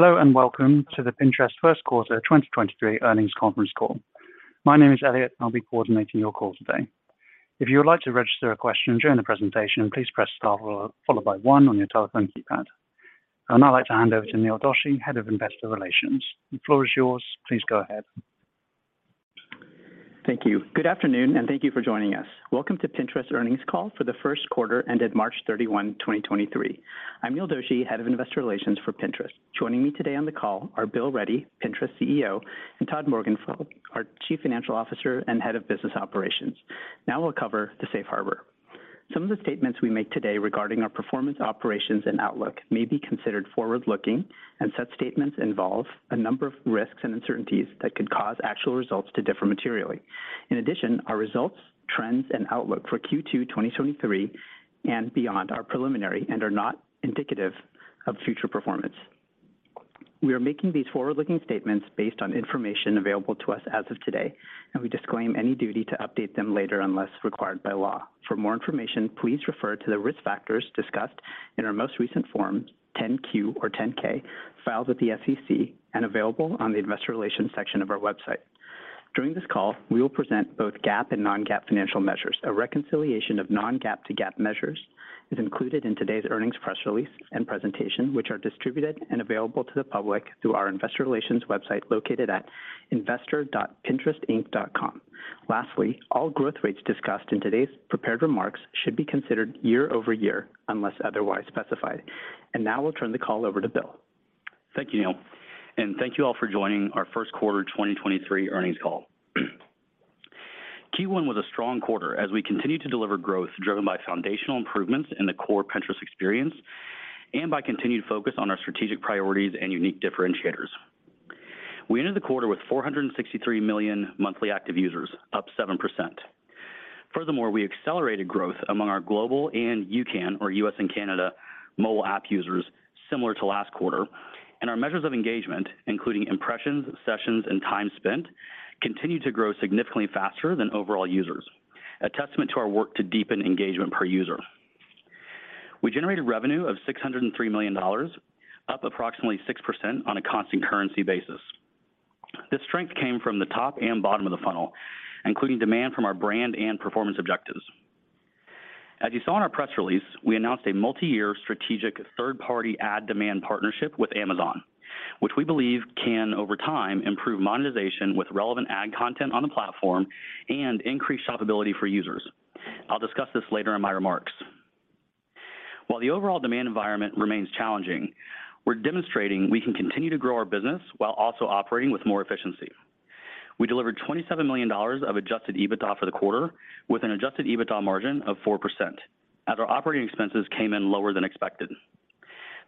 Hello, and welcome to the Pinterest First Quarter 2023 Earnings Conference Call. My name is Elliot, and I'll be coordinating your call today. If you would like to register a question during the presentation, please press star followed by one on your telephone keypad. I would now like to hand over to Neil Doshi, Head of Investor Relations. The floor is yours. Please go ahead. Thank you. Good afternoon, and thank you for joining us. Welcome to Pinterest Earnings Call for the first quarter ended March 31, 2023. I'm Neil Doshi, Head of Investor Relations for Pinterest. Joining me today on the call are Bill Ready, Pinterest CEO, and Todd Morgenfeld, our Chief Financial Officer and Head of Business Operations. We'll cover the Safe Harbor. Some of the statements we make today regarding our performance, operations and outlook may be considered forward-looking, and such statements involve a number of risks and uncertainties that could cause actual results to differ materially. In addition, our results, trends and outlook for Q2 2023 and beyond are preliminary and are not indicative of future performance. We are making these forward-looking statements based on information available to us as of today, and we disclaim any duty to update them later unless required by law. For more information, please refer to the risk factors discussed in our most recent form, 10-Q or 10-K, filed with the SEC and available on the Investor Relations section of our website. During this call, we will present both GAAP and non-GAAP financial measures. A reconciliation of non-GAAP to GAAP measures is included in today's earnings press release and presentation, which are distributed and available to the public through our Investor Relations website located at investor.pinterestinc.com. Lastly, all growth rates discussed in today's prepared remarks should be considered year-over-year, unless otherwise specified. Now we'll turn the call over to Bill. Thank you, Neil. Thank you all for joining our first quarter 2023 earnings call. Q1 was a strong quarter as we continued to deliver growth driven by foundational improvements in the core Pinterest experience and by continued focus on our strategic priorities and unique differentiators. We ended the quarter with 463 million monthly active users, up 7%. Furthermore, we accelerated growth among our global and UCAN, or US and Canada, mobile app users similar to last quarter. Our measures of engagement, including impressions, sessions, and time spent, continued to grow significantly faster than overall users, a testament to our work to deepen engagement per user. We generated revenue of $603 million, up approximately 6% on a constant currency basis. This strength came from the top and bottom of the funnel, including demand from our brand and performance objectives. As you saw in our press release, we announced a multi-year strategic third-party ad demand partnership with Amazon, which we believe can, over time, improve monetization with relevant ad content on the platform and increase shoppability for users. I'll discuss this later in my remarks. While the overall demand environment remains challenging, we're demonstrating we can continue to grow our business while also operating with more efficiency. We delivered $27 million of adjusted EBITDA for the quarter with an adjusted EBITDA margin of 4% as our OpEx came in lower than expected.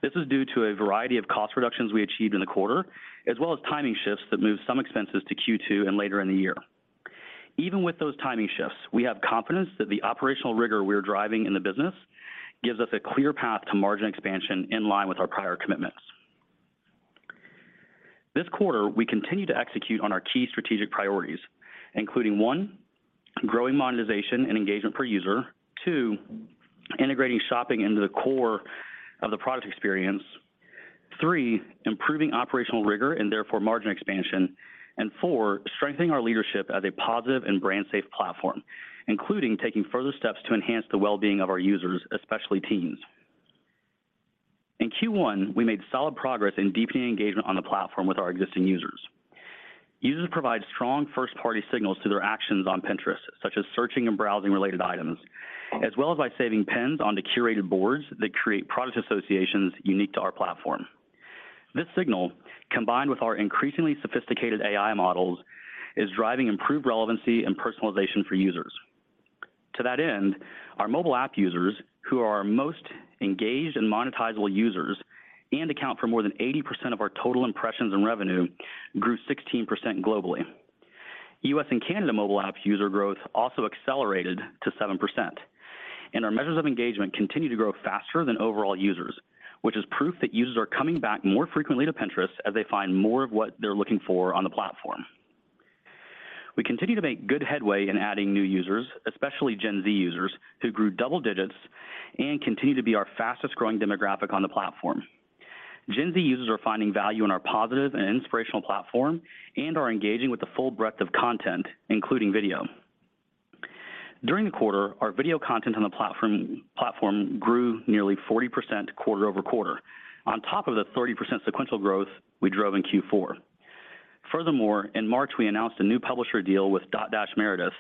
This is due to a variety of cost reductions we achieved in the quarter, as well as timing shifts that moved some expenses to Q2 and later in the year. Even with those timing shifts, we have confidence that the operational rigor we're driving in the business gives us a clear path to margin expansion in line with our prior commitments. This quarter, we continue to execute on our key strategic priorities, including, one, growing monetization and engagement per user. Two, integrating shopping into the core of the product experience. Three, improving operational rigor and therefore margin expansion. Four, strengthening our leadership as a positive and brand safe platform, including taking further steps to enhance the well-being of our users, especially teens. In Q1, we made solid progress in deepening engagement on the platform with our existing users. Users provide strong first-party signals to their actions on Pinterest, such as searching and browsing related items, as well as by saving pins onto curated boards that create product associations unique to our platform. This signal, combined with our increasingly sophisticated AI models, is driving improved relevancy and personalization for users. To that end, our mobile app users, who are our most engaged and monetizable users and account for more than 80% of our total impressions and revenue, grew 16% globally. US and Canada mobile app user growth also accelerated to 7%, and our measures of engagement continue to grow faster than overall users, which is proof that users are coming back more frequently to Pinterest as they find more of what they're looking for on the platform. We continue to make good headway in adding new users, especially Gen Z users, who grew double digits and continue to be our fastest-growing demographic on the platform. Gen Z users are finding value in our positive and inspirational platform and are engaging with the full breadth of content, including video. During the quarter, our video content on the platform grew nearly 40% quarter-over-quarter on top of the 30% sequential growth we drove in Q4. In March, we announced a new publisher deal with Dotdash Meredith,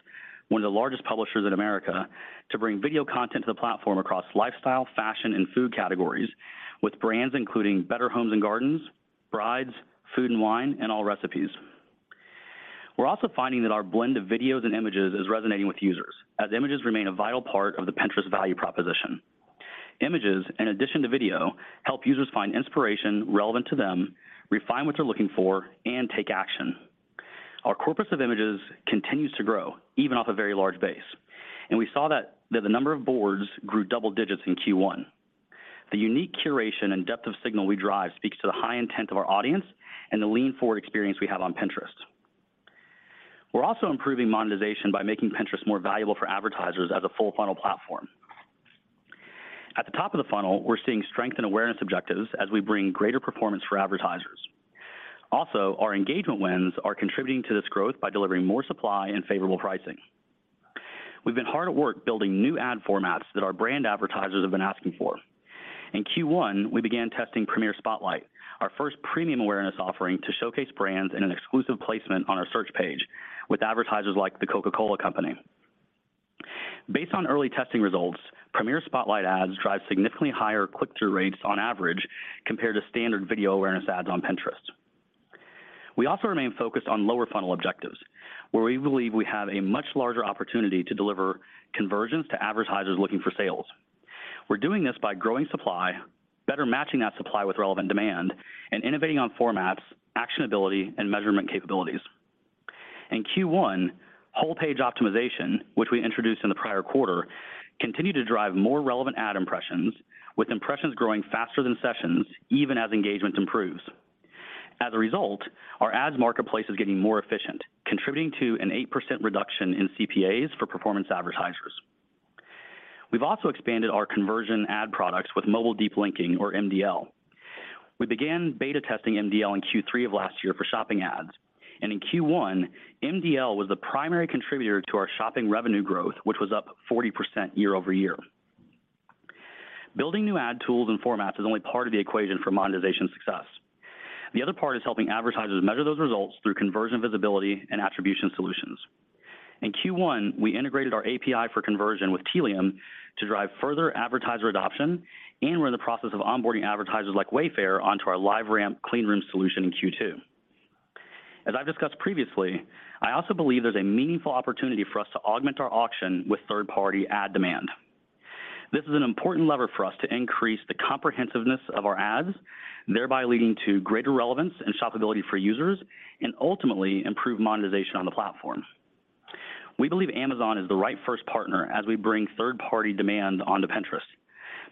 one of the largest publishers in America, to bring video content to the platform across lifestyle, fashion and food categories with brands including Better Homes & Gardens, Brides, Food & Wine, and Allrecipes. We're also finding that our blend of videos and images is resonating with users as images remain a vital part of the Pinterest value proposition. Images, in addition to video, help users find inspiration relevant to them, refine what they're looking for, and take action. Our corpus of images continues to grow even off a very large base, and we saw that the number of boards grew double digits in Q1. The unique curation and depth of signal we drive speaks to the high intent of our audience and the lean forward experience we have on Pinterest. We're also improving monetization by making Pinterest more valuable for advertisers as a full funnel platform. At the top of the funnel, we're seeing strength in awareness objectives as we bring greater performance for advertisers. Our engagement wins are contributing to this growth by delivering more supply and favorable pricing. We've been hard at work building new ad formats that our brand advertisers have been asking for. In Q1, we began testing Premiere Spotlight, our first premium awareness offering to showcase brands in an exclusive placement on our search page with advertisers like The Coca-Cola Company. Based on early testing results, Premiere Spotlight ads drive significantly higher click-through rates on average compared to standard video awareness ads on Pinterest. We also remain focused on lower funnel objectives, where we believe we have a much larger opportunity to deliver conversions to advertisers looking for sales. We're doing this by growing supply, better matching that supply with relevant demand, and innovating on formats, actionability, and measurement capabilities. In Q1, whole page optimization, which we introduced in the prior quarter, continued to drive more relevant ad impressions, with impressions growing faster than sessions even as engagement improves. As a result, our ads marketplace is getting more efficient, contributing to an 8% reduction in CPAs for performance advertisers. We've also expanded our conversion ad products with mobile deep linking or MDL. We began beta testing MDL in Q3 of last year for shopping ads, and in Q1, MDL was the primary contributor to our shopping revenue growth, which was up 40% year-over-year. Building new ad tools and formats is only part of the equation for monetization success. The other part is helping advertisers measure those results through conversion visibility and attribution solutions. In Q1, we integrated our API for Conversions with Tealium to drive further advertiser adoption, and we're in the process of onboarding advertisers like Wayfair onto our LiveRamp clean room solution in Q2. As I've discussed previously, I also believe there's a meaningful opportunity for us to augment our auction with third-party ad demand. This is an important lever for us to increase the comprehensiveness of our ads, thereby leading to greater relevance and shoppability for users and ultimately improve monetization on the platform. We believe Amazon is the right first partner as we bring third-party demand onto Pinterest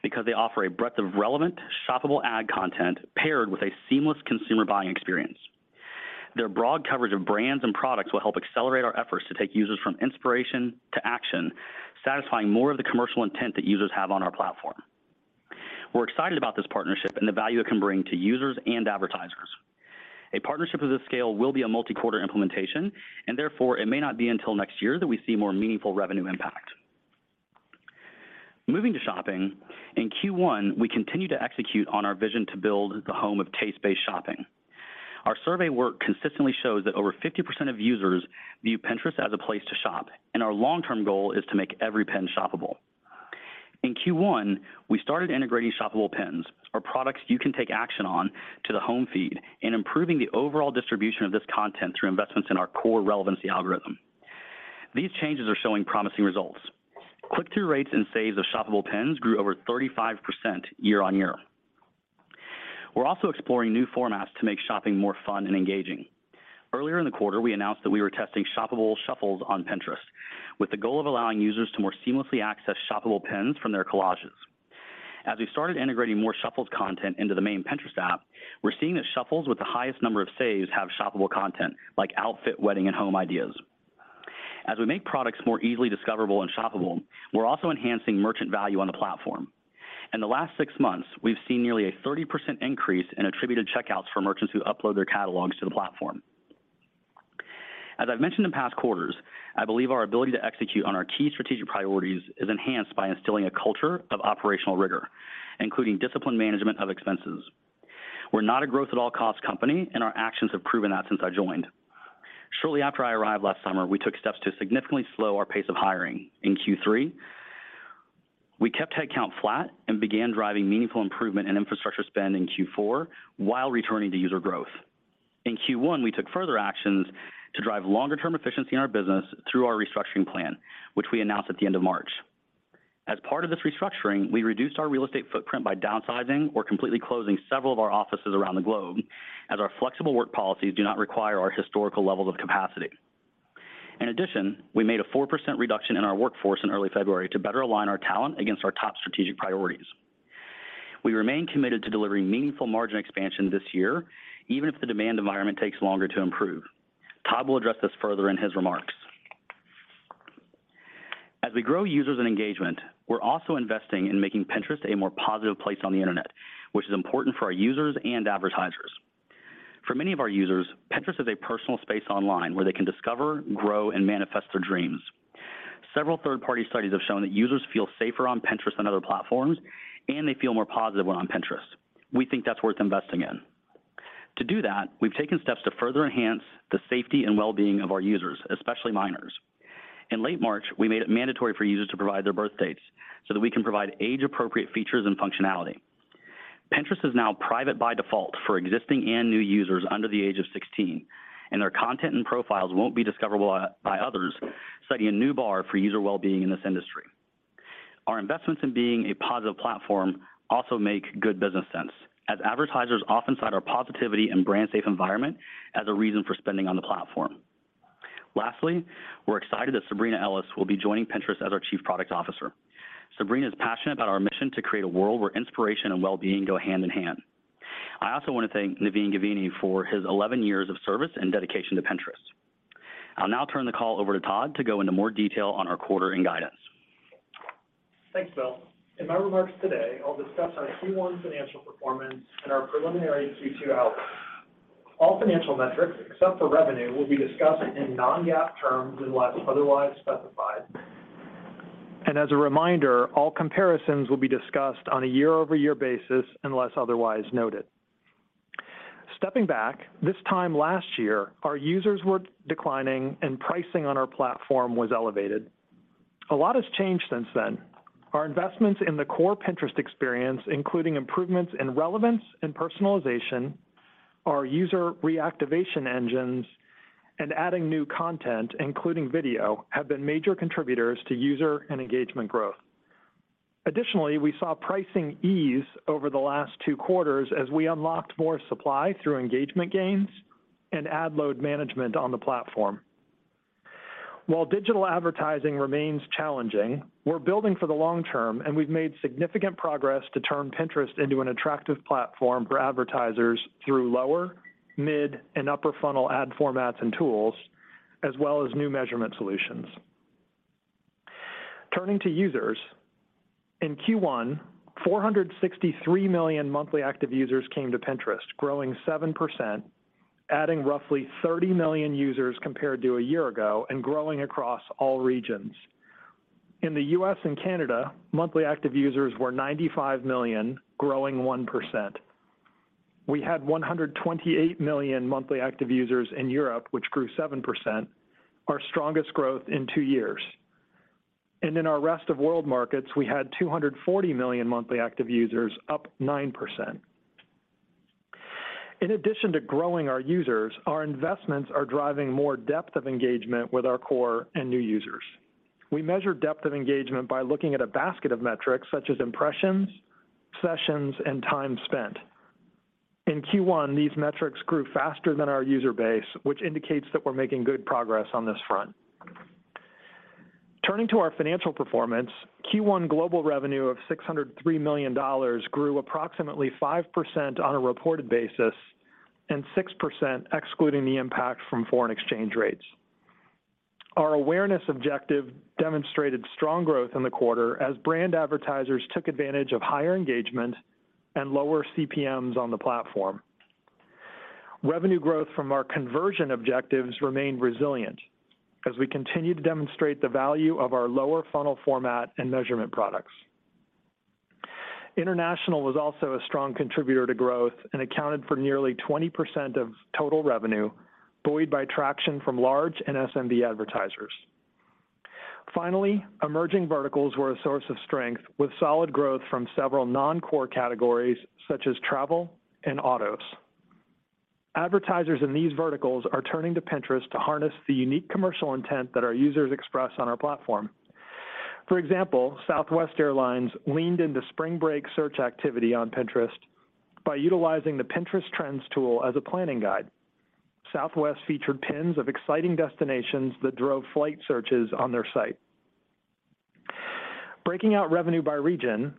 because they offer a breadth of relevant, shoppable ad content paired with a seamless consumer buying experience. Their broad coverage of brands and products will help accelerate our efforts to take users from inspiration to action, satisfying more of the commercial intent that users have on our platform. We're excited about this partnership and the value it can bring to users and advertisers. A partnership of this scale will be a multi-quarter implementation, and therefore it may not be until next year that we see more meaningful revenue impact. Moving to shopping, in Q1, we continued to execute on our vision to build the home of taste-based shopping. Our survey work consistently shows that over 50% of users view Pinterest as a place to shop, and our long-term goal is to make every pin shoppable. In Q1, we started integrating shoppable pins or products you can take action on to the home feed and improving the overall distribution of this content through investments in our core relevancy algorithm. These changes are showing promising results. Click-through rates and saves of shoppable pins grew over 35% year-over-year. We're also exploring new formats to make shopping more fun and engaging. Earlier in the quarter, we announced that we were testing shoppable Shuffles on Pinterest with the goal of allowing users to more seamlessly access shoppable pins from their collages. As we started integrating more Shuffles content into the main Pinterest app, we're seeing that Shuffles with the highest number of saves have shoppable content like outfit, wedding, and home ideas. As we make products more easily discoverable and shoppable, we're also enhancing merchant value on the platform. In the last six months, we've seen nearly a 30% increase in attributed checkouts for merchants who upload their catalogs to the platform. As I've mentioned in past quarters, I believe our ability to execute on our key strategic priorities is enhanced by instilling a culture of operational rigor, including disciplined management of expenses. We're not a growth at all cost company. Our actions have proven that since I joined. Shortly after I arrived last summer, we took steps to significantly slow our pace of hiring. In Q3, we kept headcount flat and began driving meaningful improvement in infrastructure spend in Q4 while returning to user growth. In Q1, we took further actions to drive longer-term efficiency in our business through our restructuring plan, which we announced at the end of March. As part of this restructuring, we reduced our real estate footprint by downsizing or completely closing several of our offices around the globe as our flexible work policies do not require our historical levels of capacity. We made a 4% reduction in our workforce in early February to better align our talent against our top strategic priorities. We remain committed to delivering meaningful margin expansion this year, even if the demand environment takes longer to improve. Todd will address this further in his remarks. We grow users and engagement, we're also investing in making Pinterest a more positive place on the Internet, which is important for our users and advertisers. For many of our users, Pinterest is a personal space online where they can discover, grow, and manifest their dreams. Several third-party studies have shown that users feel safer on Pinterest than other platforms, and they feel more positive when on Pinterest. We think that's worth investing in. To do that, we've taken steps to further enhance the safety and well-being of our users, especially minors. In late March, we made it mandatory for users to provide their birthdates, so that we can provide age-appropriate features and functionality. Pinterest is now private by default for existing and new users under the age of 16, and their content and profiles won't be discoverable by others, setting a new bar for user well-being in this industry. Our investments in being a positive platform also make good business sense as advertisers often cite our positivity and brand safe environment as a reason for spending on the platform. Lastly, we're excited that Sabrina Ellis will be joining Pinterest as our Chief Product Officer. Sabrina is passionate about our mission to create a world where inspiration and well-being go hand in hand. I also want to thank Naveen Gavini for his 11 years of service and dedication to Pinterest. I'll now turn the call over to Todd to go into more detail on our quarter and guidance. Thanks, Bill. In my remarks today, I'll discuss our Q1 financial performance and our preliminary Q2 outlook. All financial metrics, except for revenue, will be discussed in non-GAAP terms unless otherwise specified. As a reminder, all comparisons will be discussed on a year-over-year basis unless otherwise noted. Stepping back, this time last year, our users were declining and pricing on our platform was elevated. A lot has changed since then. Our investments in the core Pinterest experience, including improvements in relevance and personalization, our user reactivation engines, and adding new content, including video, have been major contributors to user and engagement growth. Additionally, we saw pricing ease over the last two quarters as we unlocked more supply through engagement gains and ad load management on the platform. While digital advertising remains challenging, we're building for the long term, we've made significant progress to turn Pinterest into an attractive platform for advertisers through lower, mid, and upper funnel ad formats and tools as well as new measurement solutions. Turning to users, in Q1, 463 million monthly active users came to Pinterest, growing 7%, adding roughly 30 million users compared to a year ago and growing across all regions. In the US and Canada, monthly active users were 95 million, growing 1%. We had 128 million monthly active users in Europe, which grew 7%, our strongest growth in two years. In our rest of world markets, we had 240 million monthly active users, up 9%. In addition to growing our users, our investments are driving more depth of engagement with our core and new users. We measure depth of engagement by looking at a basket of metrics such as impressions, sessions, and time spent. In Q1, these metrics grew faster than our user base, which indicates that we're making good progress on this front. Turning to our financial performance, Q1 global revenue of $603 million grew approximately 5% on a reported basis and 6% excluding the impact from foreign exchange rates. Our awareness objective demonstrated strong growth in the quarter as brand advertisers took advantage of higher engagement and lower CPMs on the platform. Revenue growth from our conversion objectives remained resilient as we continue to demonstrate the value of our lower funnel format and measurement products. International was also a strong contributor to growth and accounted for nearly 20% of total revenue, buoyed by traction from large and SMB advertisers. Emerging verticals were a source of strength with solid growth from several non-core categories such as travel and autos. Advertisers in these verticals are turning to Pinterest to harness the unique commercial intent that our users express on our platform. For example, Southwest Airlines leaned into spring break search activity on Pinterest by utilizing the Pinterest Trends tool as a planning guide. Southwest featured pins of exciting destinations that drove flight searches on their site. Breaking out revenue by region,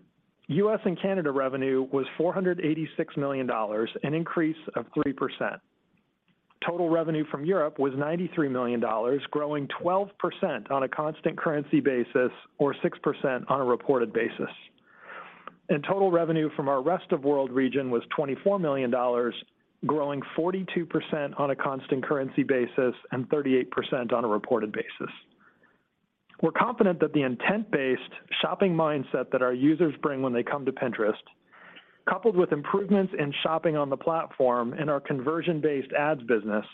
U.S. and Canada revenue was $486 million, an increase of 3%. Total revenue from Europe was $93 million, growing 12% on a constant currency basis or 6% on a reported basis. Total revenue from our rest of world region was $24 million, growing 42% on a constant currency basis and 38% on a reported basis. We're confident that the intent-based shopping mindset that our users bring when they come to Pinterest, coupled with improvements in shopping on the platform and our conversion-based ads business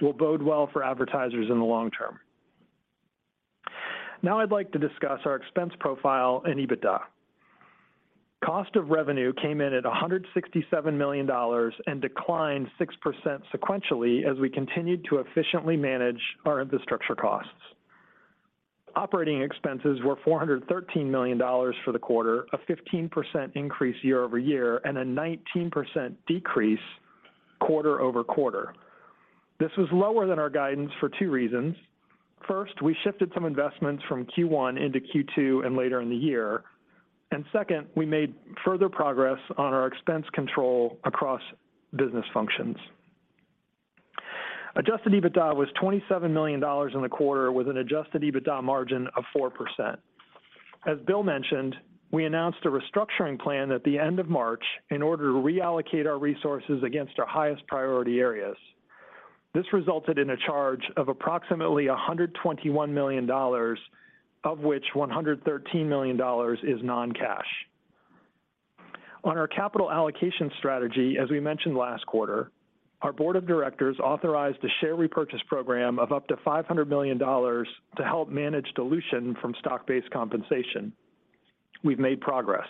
will bode well for advertisers in the long term. I'd like to discuss our expense profile and EBITDA. Cost of revenue came in at $167 million and declined 6% sequentially as we continued to efficiently manage our infrastructure costs. Operating expenses were $413 million for the quarter, a 15% increase year-over-year and a 19% decrease quarter-over-quarter. This was lower than our guidance for two reasons. We shifted some investments from Q1 into Q2 and later in the year. Second, we made further progress on our expense control across business functions. Adjusted EBITDA was $27 million in the quarter with an adjusted EBITDA margin of 4%. As Bill mentioned, we announced a restructuring plan at the end of March in order to reallocate our resources against our highest priority areas. This resulted in a charge of approximately $121 million, of which $113 million is non-cash. On our capital allocation strategy, as we mentioned last quarter, our board of directors authorized a share repurchase program of up to $500 million to help manage dilution from stock-based compensation. We've made progress,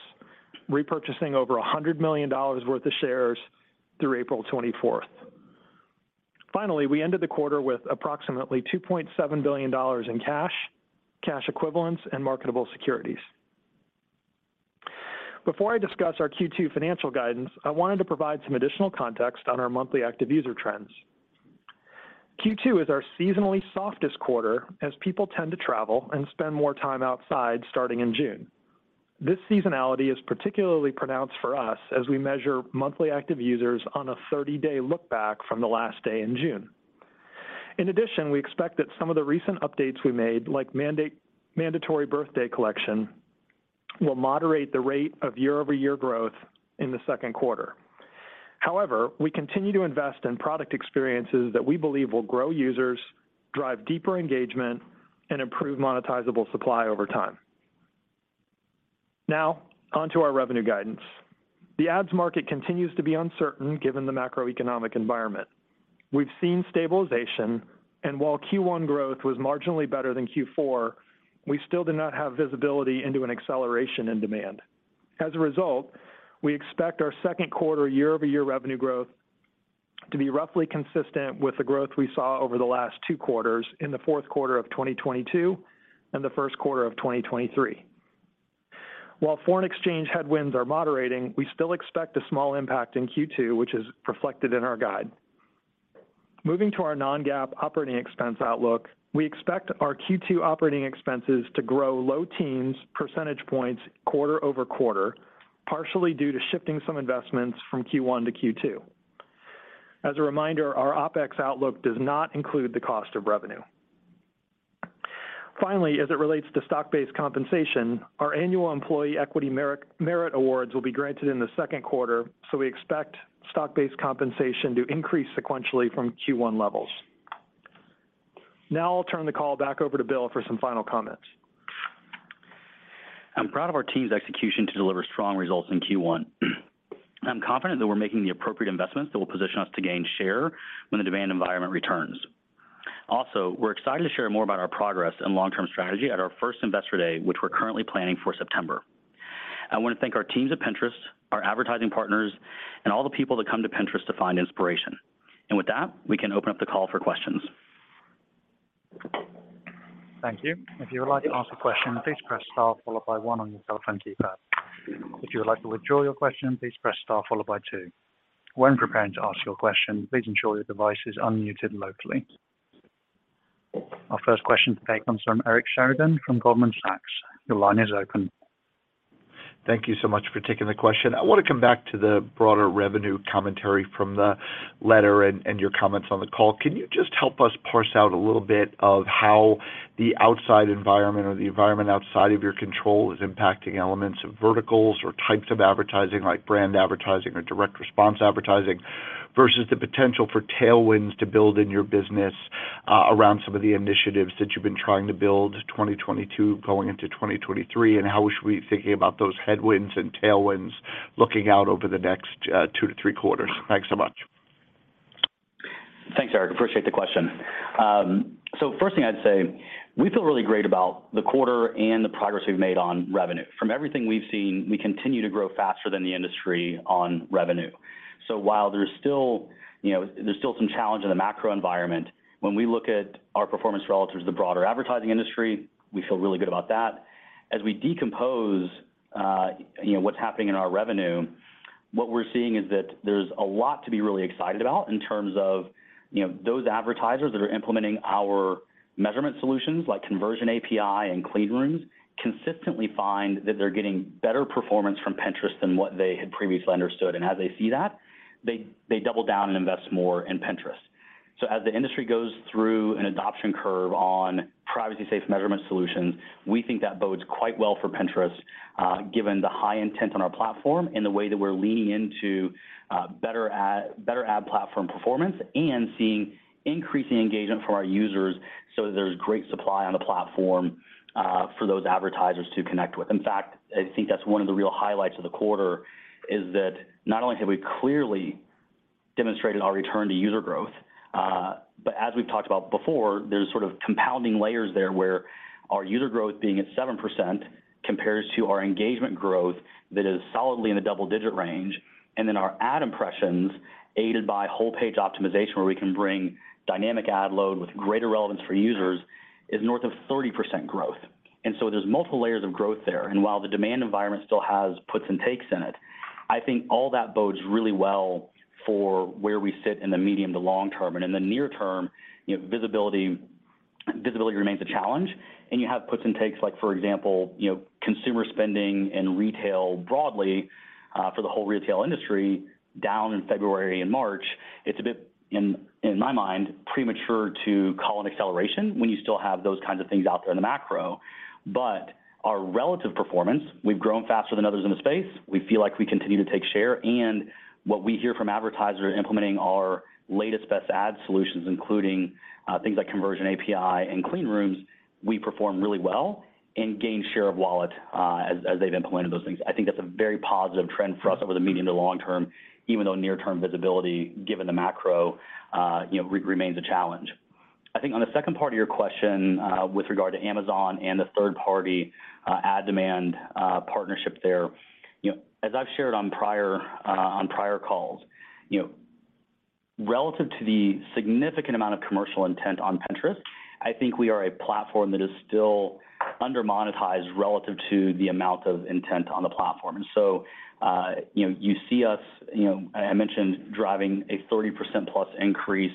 repurchasing over $100 million worth of shares through April 24th. We ended the quarter with approximately $2.7 billion in cash equivalents, and marketable securities. Before I discuss our Q2 financial guidance, I wanted to provide some additional context on our monthly active user trends. Q2 is our seasonally softest quarter as people tend to travel and spend more time outside starting in June. This seasonality is particularly pronounced for us as we measure monthly active users on a 30-day look back from the last day in June. We expect that some of the recent updates we made, like mandatory birthday collection, will moderate the rate of year-over-year growth in the second quarter. We continue to invest in product experiences that we believe will grow users, drive deeper engagement, and improve monetizable supply over time. On to our revenue guidance. The ads market continues to be uncertain given the macroeconomic environment. We've seen stabilization, while Q1 growth was marginally better than Q4, we still do not have visibility into an acceleration in demand. As a result, we expect our second quarter year-over-year revenue growth to be roughly consistent with the growth we saw over the last two quarters in the fourth quarter of 2022 and the first quarter of 2023. While foreign exchange headwinds are moderating, we still expect a small impact in Q2, which is reflected in our guide. Moving to our non-GAAP operating expense outlook, we expect our Q2 operating expenses to grow low teens percentage points quarter-over-quarter, partially due to shifting some investments from Q1 to Q2. As a reminder, our OpEx outlook does not include the cost of revenue. Finally, as it relates to stock-based compensation, our annual employee equity merit awards will be granted in the second quarter, so we expect stock-based compensation to increase sequentially from Q1 levels. Now I'll turn the call back over to Bill for some final comments. I'm proud of our team's execution to deliver strong results in Q1. I'm confident that we're making the appropriate investments that will position us to gain share when the demand environment returns. We're excited to share more about our progress and long-term strategy at our first Investor Day, which we're currently planning for September. I want to thank our teams at Pinterest, our advertising partners, and all the people that come to Pinterest to find inspiration. With that, we can open up the call for questions. Thank you. If you would like to ask a question, please press star followed by one on your telephone keypad. If you would like to withdraw your question, please press star followed by two. When preparing to ask your question, please ensure your device is unmuted locally. Our first question today comes from Eric Sheridan from Goldman Sachs. Your line is open. Thank you so much for taking the question. I want to come back to the broader revenue commentary from the letter and your comments on the call. Can you just help us parse out a little bit of how the outside environment or the environment outside of your control is impacting elements of verticals or types of advertising like brand advertising or direct response advertising versus the potential for tailwinds to build in your business around some of the initiatives that you've been trying to build 2022 going into 2023, and how should we be thinking about those headwinds and tailwinds looking out over the next two to three quarters? Thanks so much. Thanks, Eric. Appreciate the question. First thing I'd say, we feel really great about the quarter and the progress we've made on revenue. From everything we've seen, we continue to grow faster than the industry on revenue. While there's still, you know, there's still some challenge in the macro environment, when we look at our performance relative to the broader advertising industry, we feel really good about that. As we decompose, you know, what's happening in our revenue, what we're seeing is that there's a lot to be really excited about in terms of, you know, those advertisers that are implementing our measurement solutions like conversion API and clean rooms consistently find that they're getting better performance from Pinterest than what they had previously understood. As they see that, they double down and invest more in Pinterest. As the industry goes through an adoption curve on privacy safe measurement solutions, we think that bodes quite well for Pinterest, given the high intent on our platform and the way that we're leaning into, better ad platform performance and seeing increasing engagement from our users so that there's great supply on the platform, for those advertisers to connect with. In fact, I think that's one of the real highlights of the quarter is that not only have we clearly demonstrated our return to user growth, but as we've talked about before, there's sort of compounding layers there where our user growth being at 7% compares to our engagement growth that is solidly in the double-digit range. Our ad impressions, aided by whole page optimization, where we can bring dynamic ad load with greater relevance for users, is north of 30% growth. There's multiple layers of growth there. While the demand environment still has puts and takes in it, I think all that bodes really well for where we sit in the medium to long term. In the near term, you know, visibility remains a challenge, and you have puts and takes, like for example, you know, consumer spending and retail broadly for the whole retail industry down in February and March. It's a bit, in my mind, premature to call an acceleration when you still have those kinds of things out there in the macro. Our relative performance, we've grown faster than others in the space. We feel like we continue to take share. What we hear from advertisers implementing our latest best ad solutions, including things like API for Conversions and clean rooms, we perform really well and gain share of wallet as they've implemented those things. I think that's a very positive trend for us over the medium to long term, even though near-term visibility, given the macro, you know, remains a challenge. I think on the second part of your question, with regard to Amazon and the third party ad demand partnership there, you know, as I've shared on prior calls, you know, relative to the significant amount of commercial intent on Pinterest, I think we are a platform that is still under-monetized relative to the amount of intent on the platform. You know, you see us, you know, I mentioned driving a 30%+ increase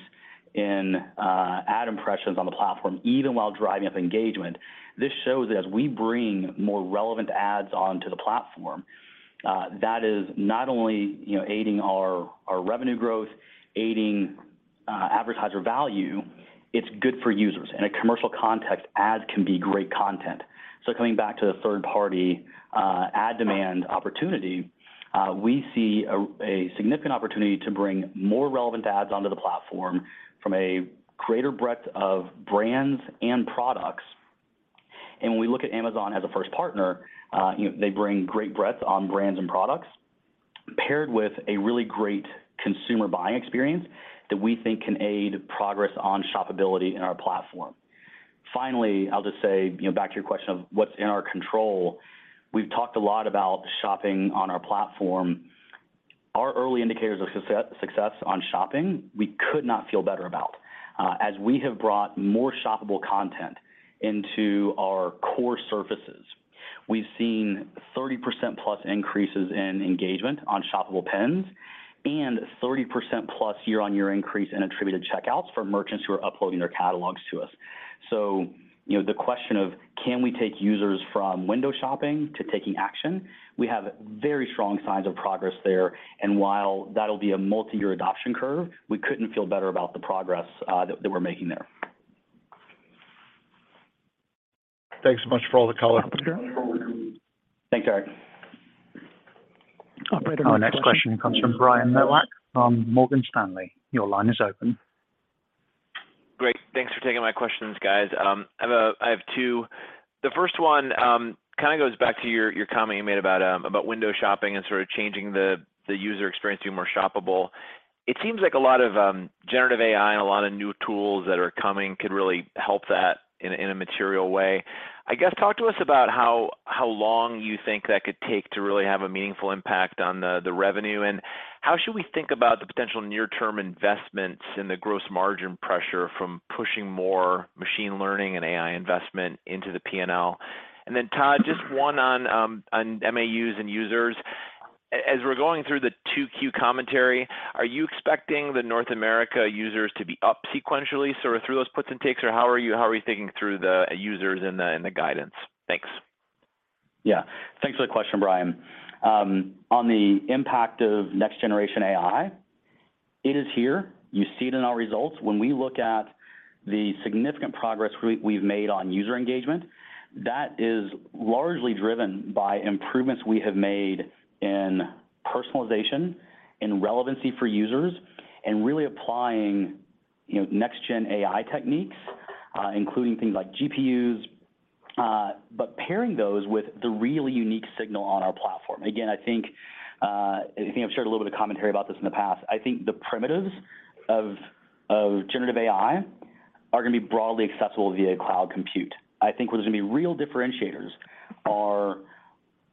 in ad impressions on the platform even while driving up engagement. This shows as we bring more relevant ads onto the platform, that is not only, you know, aiding our revenue growth, aiding advertiser value, it's good for users. In a commercial context, ads can be great content. Coming back to the third-party ad demand opportunity, we see a significant opportunity to bring more relevant ads onto the platform from a greater breadth of brands and products. When we look at Amazon as a first partner, you know, they bring great breadth on brands and products paired with a really great consumer buying experience that we think can aid progress on shop ability in our platform. Finally, I'll just say, you know, back to your question of what's in our control, we've talked a lot about shopping on our platform. Our early indicators of success on shopping, we could not feel better about. As we have brought more shoppable content into our core services, we've seen 30% plus increases in engagement on shoppable pins and 30% plus year-on-year increase in attributed checkouts for merchants who are uploading their catalogs to us. You know, the question of can we take users from window shopping to taking action, we have very strong signs of progress there. While that'll be a multi-year adoption curve, we couldn't feel better about the progress that we're making there. Thanks so much for all the color. Thanks, Eric. Our next question comes from Brian Nowak from Morgan Stanley. Your line is open. Great. Thanks for taking my questions, guys. I have two. The first one, kind of goes back to your comment you made about window shopping and sort of changing the user experience to be more shoppable. It seems like a lot of generative AI and a lot of new tools that are coming could really help that in a material way. I guess, talk to us about how long you think that could take to really have a meaningful impact on the revenue, and how should we think about the potential near-term investments and the gross margin pressure from pushing more machine learning and AI investment into the P&L? Then Todd, just one on MAUs and users. As we're going through the 2Q commentary, are you expecting the North America users to be up sequentially sort of through those puts and takes, or how are you, how are we thinking through the users in the, in the guidance? Thanks. Thanks for the question, Brian. On the impact of next generation AI, it is here. You see it in our results. When we look at the significant progress we've made on user engagement, that is largely driven by improvements we have made in personalization and relevancy for users and really applying, you know, next gen AI techniques, including things like GPUs, pairing those with the really unique signal on our platform. I think I've shared a little bit of commentary about this in the past. I think the primitives of generative AI are going to be broadly accessible via cloud compute. I think what is going to be real differentiators are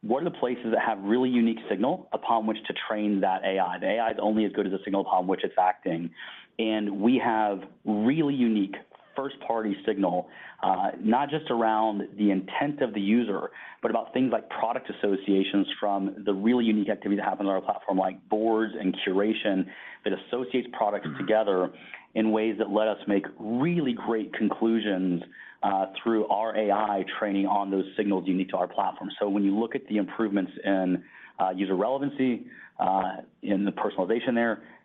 what are the places that have really unique signal upon which to train that AI? The AI is only as good as the signal upon which it's acting. We have really unique first party signal, not just around the intent of the user, but about things like product associations from the really unique activity that happens on our platform like boards and curation that associates products together in ways that let us make really great conclusions through our AI training on those signals unique to our platform. When you look at the improvements in user relevancy, in the personalization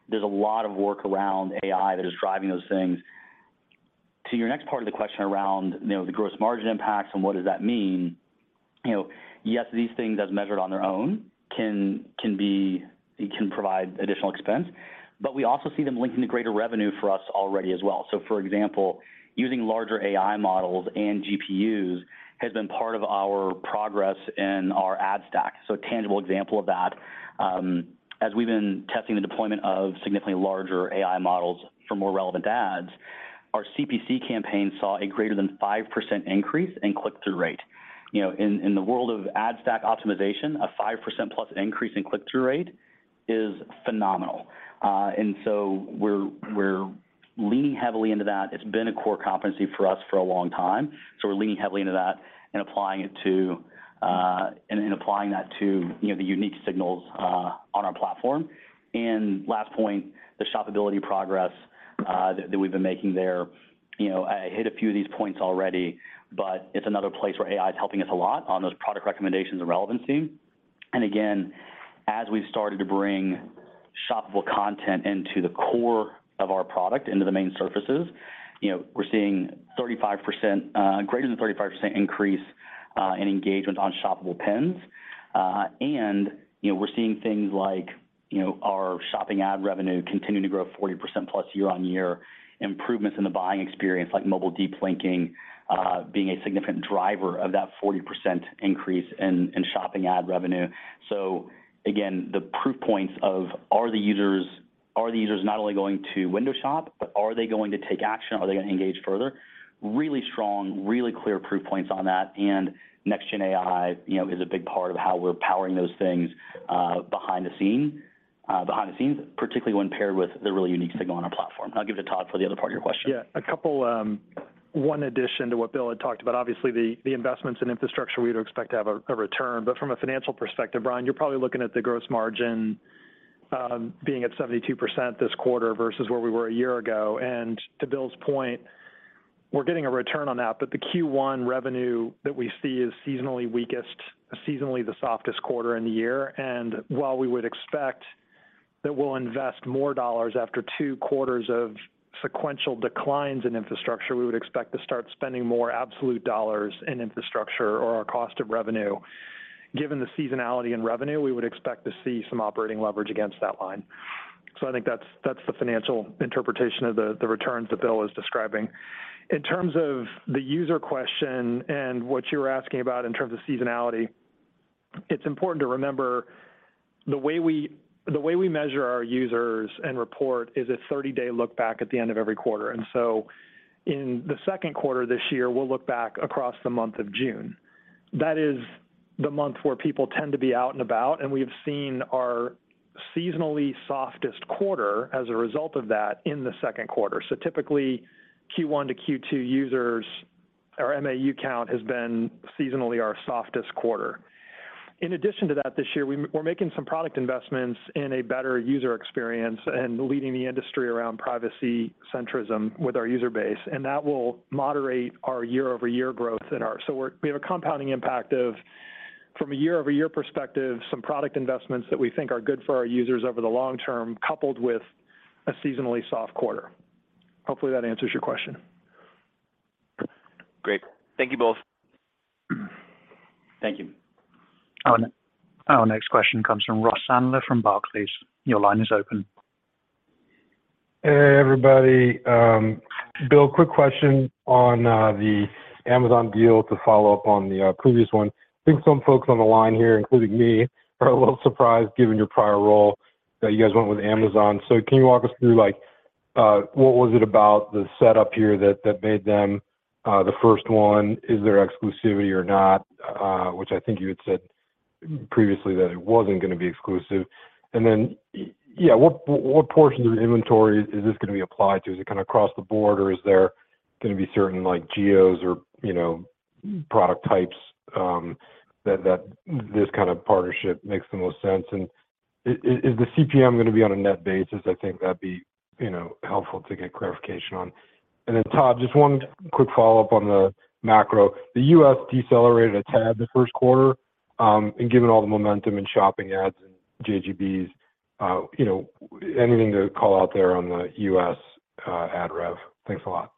there's a lot of work around AI that is driving those things. To your next part of the question around, you know, the gross margin impacts and what does that mean, you know, yes, these things as measured on their own can provide additional expense, but we also see them linking to greater revenue for us already as well. For example, using larger AI models and GPUs has been part of our progress in our ad stack. A tangible example of that, as we've been testing the deployment of significantly larger AI models for more relevant ads, our CPC campaign saw a greater than 5% increase in click-through rate. You know, in the world of ad stack optimization, a 5%+ increase in click-through rate is phenomenal. We're leaning heavily into that. It's been a core competency for us for a long time, so we're leaning heavily into that and applying it to and applying that to, you know, the unique signals on our platform. Last point, the shoppability progress that we've been making there, you know, I hit a few of these points already, but it's another place where AI is helping us a lot on those product recommendations and relevancy. Again, as we've started to bring shoppable content into the core of our product, into the main surfaces, you know, we're seeing 35%, greater than 35% increase in engagement on shoppable pins. You know, we're seeing things like, you know, our shopping ad revenue continuing to grow 40%+ year-on-year improvements in the buying experience, like mobile deep linking, being a significant driver of that 40% increase in shopping ad revenue. Again, the proof points of are the users, are the users not only going to window shop, but are they going to take action? Are they gonna engage further? Really strong, really clear proof points on that. Next gen AI, you know, is a big part of how we're powering those things, behind the scenes, particularly when paired with the really unique signal on our platform. I'll give it to Todd for the other part of your question. Yeah. A couple, One addition to what Bill had talked about, obviously the investments in infrastructure we'd expect to have a return. From a financial perspective, Brian, you're probably looking at the gross margin being at 72% this quarter versus where we were a year ago. To Bill's point, we're getting a return on that, but the Q1 revenue that we see is seasonally weakest, seasonally the softest quarter in the year. While we would expect that we'll invest more dollars after 2 quarters of sequential declines in infrastructure, we would expect to start spending more absolute dollars in infrastructure or our cost of revenue. Given the seasonality in revenue, we would expect to see some operating leverage against that line. I think that's the financial interpretation of the returns that Bill is describing. In terms of the user question and what you're asking about in terms of seasonality, it's important to remember the way we measure our users and report is a 30-day look back at the end of every quarter. In the second quarter this year, we'll look back across the month of June. That is the month where people tend to be out and about, and we've seen our seasonally softest quarter as a result of that in the second quarter. Typically, Q1 to Q2 users, our MAU count has been seasonally our softest quarter. In addition to that, this year, we're making some product investments in a better user experience and leading the industry around privacy centrism with our user base, and that will moderate our year-over-year growth in our... We have a compounding impact of, from a year-over-year perspective, some product investments that we think are good for our users over the long term, coupled with a seasonally soft quarter. Hopefully, that answers your question. Great. Thank you both. Thank you. Our next question comes from Ross Sandler from Barclays. Your line is open. Hey, everybody. Bill, quick question on the Amazon deal to follow up on the previous one. I think some folks on the line here, including me, are a little surprised given your prior role that you guys went with Amazon. Can you walk us through what was it about the setup here that made them the first one? Is there exclusivity or not? Which I think you had said previously that it wasn't going to be exclusive. What portion of the inventory is this going to be applied to? Is it kind of across the board, or is there going to be certain geos or product types that this kind of partnership makes the most sense? Is the CPM going to be on a net basis? I think that'd be, you know, helpful to get clarification on. Todd, just one quick follow-up on the macro. The US decelerated a tad the first quarter, and given all the momentum in shopping ads and JGBs, you know, anything to call out there on the US ad rev? Thanks a lot.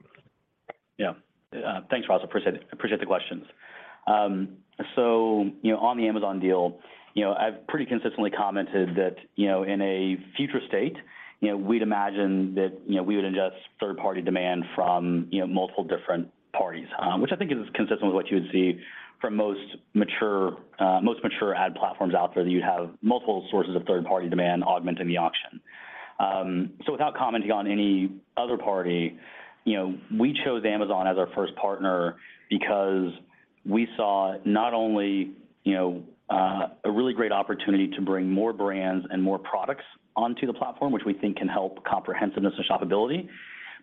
Yeah. Thanks Ross. I appreciate the questions. You know, on the Amazon deal, you know, I've pretty consistently commented that, you know, in a future state, you know, we'd imagine that, you know, we would ingest third-party demand from, you know, multiple different parties, which I think is consistent with what you would see from most mature ad platforms out there, that you'd have multiple sources of third-party demand augmenting the auction. Without commenting on any other party, you know, we chose Amazon as our first partner because we saw not only, you know, a really great opportunity to bring more brands and more products onto the platform, which we think can help comprehensiveness and shoppability,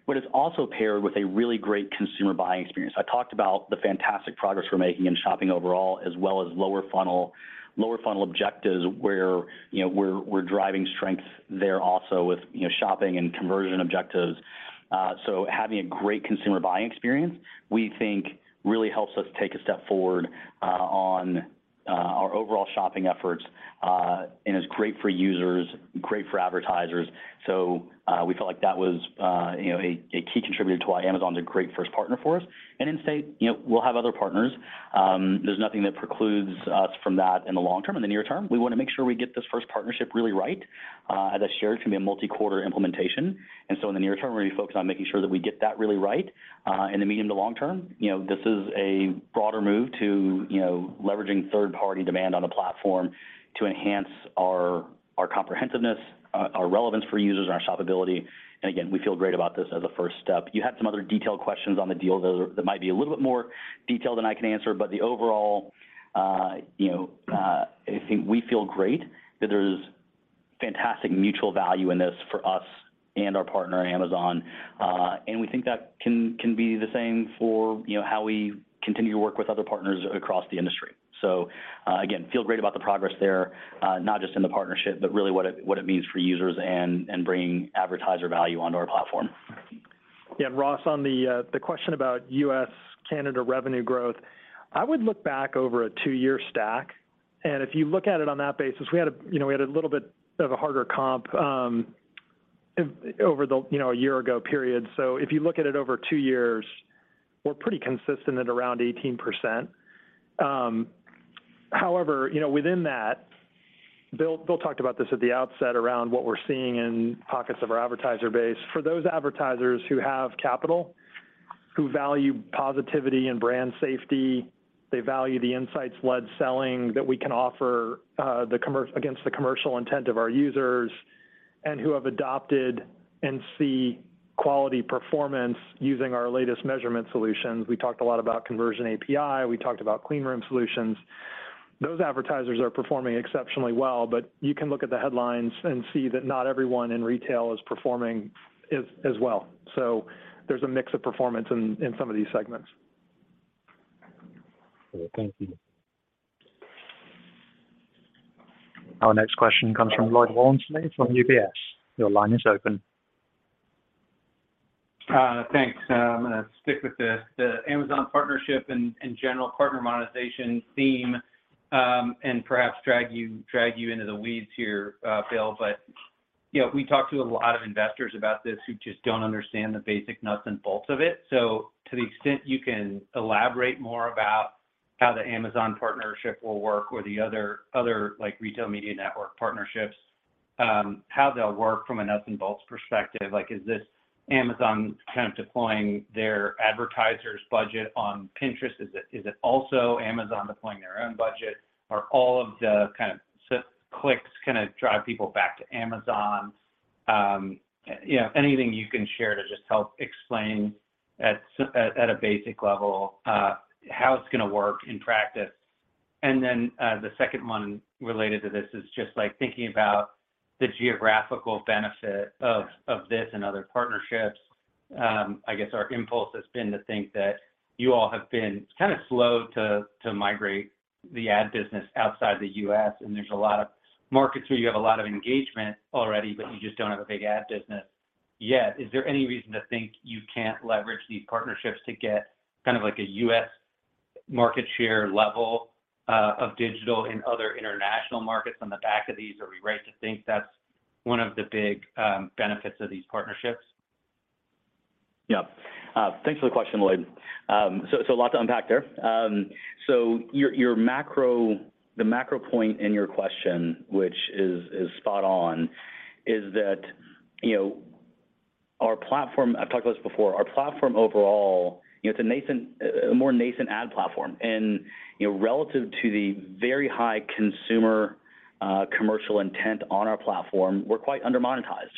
but it's also paired with a really great consumer buying experience. I talked about the fantastic progress we're making in shopping overall, as well as lower funnel objectives where, you know, we're driving strength there also with, you know, shopping and conversion objectives. Having a great consumer buying experience, we think really helps us take a step forward on our overall shopping efforts and is great for users, great for advertisers. We felt like that was, you know, a key contributor to why Amazon's a great first partner for us. In state, you know, we'll have other partners. There's nothing that precludes us from that in the long term. In the near term, we want to make sure we get this first partnership really right. As I shared, it's going to be a multi-quarter implementation. In the near term, we're going to be focused on making sure that we get that really right. In the medium to long term, you know, this is a broader move to, you know, leveraging third-party demand on the platform to enhance our comprehensiveness, our relevance for users and our shoppability. Again, we feel great about this as a first step. You had some other detailed questions on the deal that might be a little bit more detailed than I can answer. The overall, you know, I think we feel great that there's fantastic mutual value in this for us and our partner, Amazon. We think that can be the same for, you know, how we continue to work with other partners across the industry. Again, feel great about the progress there, not just in the partnership, but really what it, what it means for users and bringing advertiser value onto our platform. Ross, on the question about US-Canada revenue growth, I would look back over a two-year stack, if you look at it on that basis, we had a, you know, we had a little bit of a harder comp over the, you know, a year ago period. If you look at it over two years, we're pretty consistent at around 18%. However, you know, within that, Bill talked about this at the outset around what we're seeing in pockets of our advertiser base. For those advertisers who have capital, who value positivity and brand safety, they value the insights-led selling that we can offer against the commercial intent of our users, who have adopted and see quality performance using our latest measurement solutions. We talked a lot about Conversion API, we talked about clean room solutions. Those advertisers are performing exceptionally well. You can look at the headlines and see that not everyone in retail is performing as well. There's a mix of performance in some of these segments. Thank you. Our next question comes from Lloyd Walmsley from UBS. Your line is open. Thanks. I'm going to stick with the Amazon partnership and general partner monetization theme, and perhaps drag you into the weeds here, Bill. You know, we talk to a lot of investors about this who just don't understand the basic nuts and bolts of it. To the extent you can elaborate more about how the Amazon partnership will work or the other like retail media network partnerships, how they'll work from a nuts and bolts perspective. Is this Amazon kind of deploying their advertisers' budget on Pinterest? Is it also Amazon deploying their own budget? Are all of the kind of clicks going to drive people back to Amazon? Yeah, anything you can share to just help explain at a basic level how it's going to work in practice. The second one related to this is just like thinking about the geographical benefit of this and other partnerships. I guess our impulse has been to think that you all have been kind of slow to migrate the ad business outside the U.S., and there's a lot of markets where you have a lot of engagement already, but you just don't have a big ad business yet. Is there any reason to think you can't leverage these partnerships to get kind of like a U.S. market share level of digital in other international markets on the back of these? Are we right to think that's one of the big benefits of these partnerships? Yeah. Thanks for the question, Lloyd. So a lot to unpack there. The macro point in your question, which is spot on, is that, you know, our platform, I've talked about this before, our platform overall, you know, it's a nascent, a more nascent ad platform. You know, relative to the very high consumer commercial intent on our platform, we're quite under-monetized.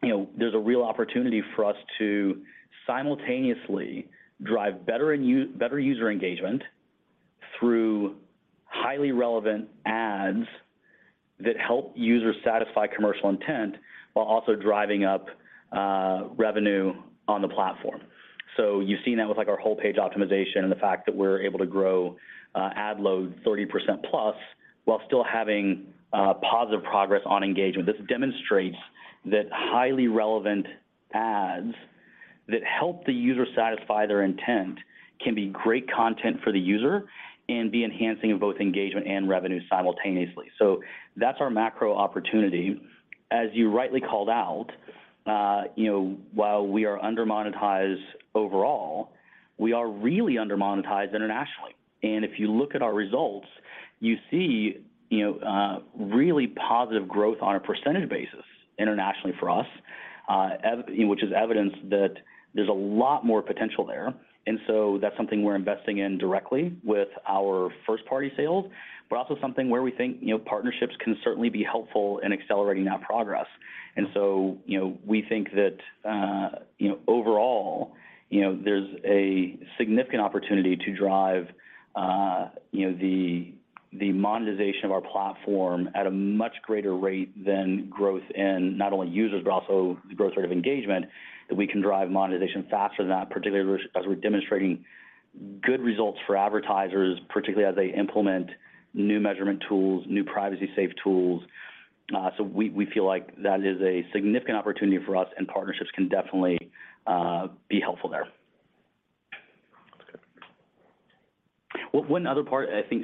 You know, there's a real opportunity for us to simultaneously drive better and better user engagement through highly relevant ads that help users satisfy commercial intent while also driving up revenue on the platform. You've seen that with like our whole page optimization and the fact that we're able to grow ad load 30% plus while still having positive progress on engagement. This demonstrates that highly relevant ads that help the user satisfy their intent can be great content for the user and be enhancing of both engagement and revenue simultaneously. That's our macro opportunity. As you rightly called out, you know, while we are under-monetized overall, we are really under-monetized internationally. If you look at our results, you see, you know, really positive growth on a percentage basis internationally for us, you know, which is evidence that there's a lot more potential there. That's something we're investing in directly with our first-party sales, but also something where we think, you know, partnerships can certainly be helpful in accelerating that progress. you know, we think that, you know, overall, you know, there's a significant opportunity to drive, you know, the monetization of our platform at a much greater rate than growth in not only users, but also the growth rate of engagement, that we can drive monetization faster than that, particularly as we're demonstrating good results for advertisers, particularly as they implement new measurement tools, new privacy-safe tools. We feel like that is a significant opportunity for us, and partnerships can definitely, be helpful there. That's good.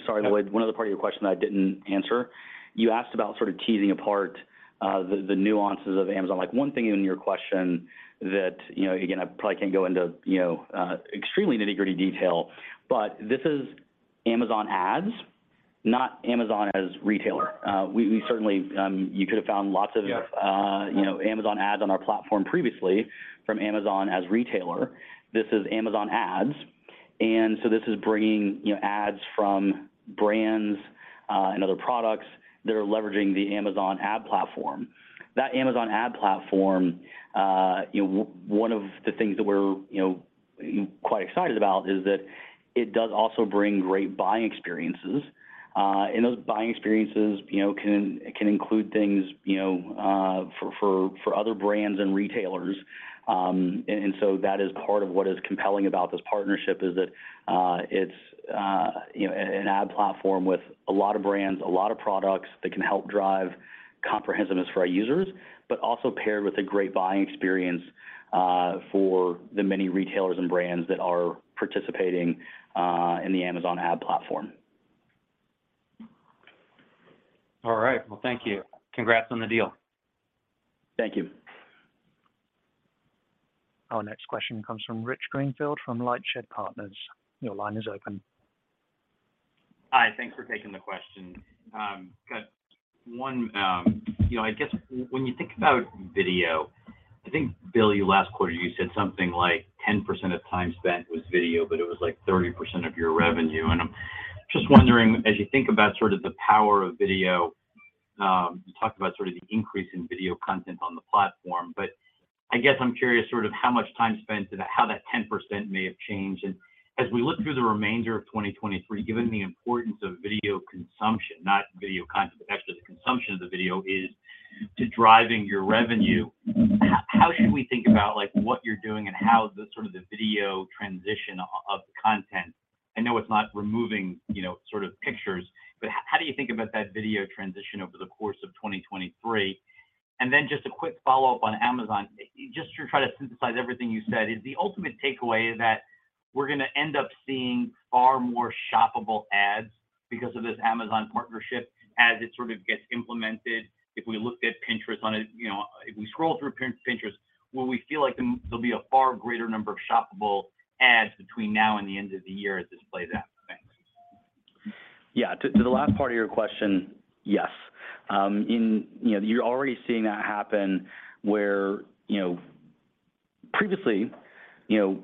Sorry, Lloyd. One other part of your question that I didn't answer. You asked about sort of teasing apart the nuances of Amazon. One thing in your question that, you know, again, I probably can't go into, you know, extremely nitty-gritty detail, but this is Amazon Ads, not Amazon as retailer. We certainly, you could have found lots of- Yep you know, Amazon Ads on our platform previously from Amazon as retailer. This is Amazon Ads. This is bringing, you know, ads from brands, and other products that are leveraging the Amazon ad platform. That Amazon ad platform, you know, one of the things that we're, you know, quite excited about is that it does also bring great buying experiences. Those buying experiences, you know, can include things, you know, for other brands and retailers. That is part of what is compelling about this partnership is that, it's, you know, an ad platform with a lot of brands, a lot of products that can help drive comprehensiveness for our users, but also paired with a great buying experience, for the many retailers and brands that are participating, in the Amazon Ad platform. All right. Well, thank you. Congrats on the deal. Thank you. Our next question comes from Rich Greenfield from LightShed Partners. Your line is open. Hi. Thanks for taking the question. got one, you know, I guess when you think about video, I think, Bill, you last quarter you said something like 10% of time spent was video, but it was like 30% of your revenue. I'm just wondering, as you think about sort of the power of video. You talked about sort of the increase in video content on the platform, but I guess I'm curious sort of how much time spent and how that 10% may have changed. As we look through the remainder of 2023, given the importance of video consumption, not video content, but actually the consumption of the video is to driving your revenue, how should we think about, like what you're doing and how the sort of the video transition of content? I know it's not removing, you know, sort of pictures, but how do you think about that video transition over the course of 2023? Just a quick follow-up on Amazon, just to try to synthesize everything you said. Is the ultimate takeaway that we're going to end up seeing far more shoppable ads because of this Amazon partnership as it sort of gets implemented? If we looked at Pinterest on a... You know, if we scroll through Pinterest, will we feel like there'll be a far greater number of shoppable ads between now and the end of the year as this plays out? Thanks. Yeah. To the last part of your question, yes. You know, you're already seeing that happen where, you know, previously, you know,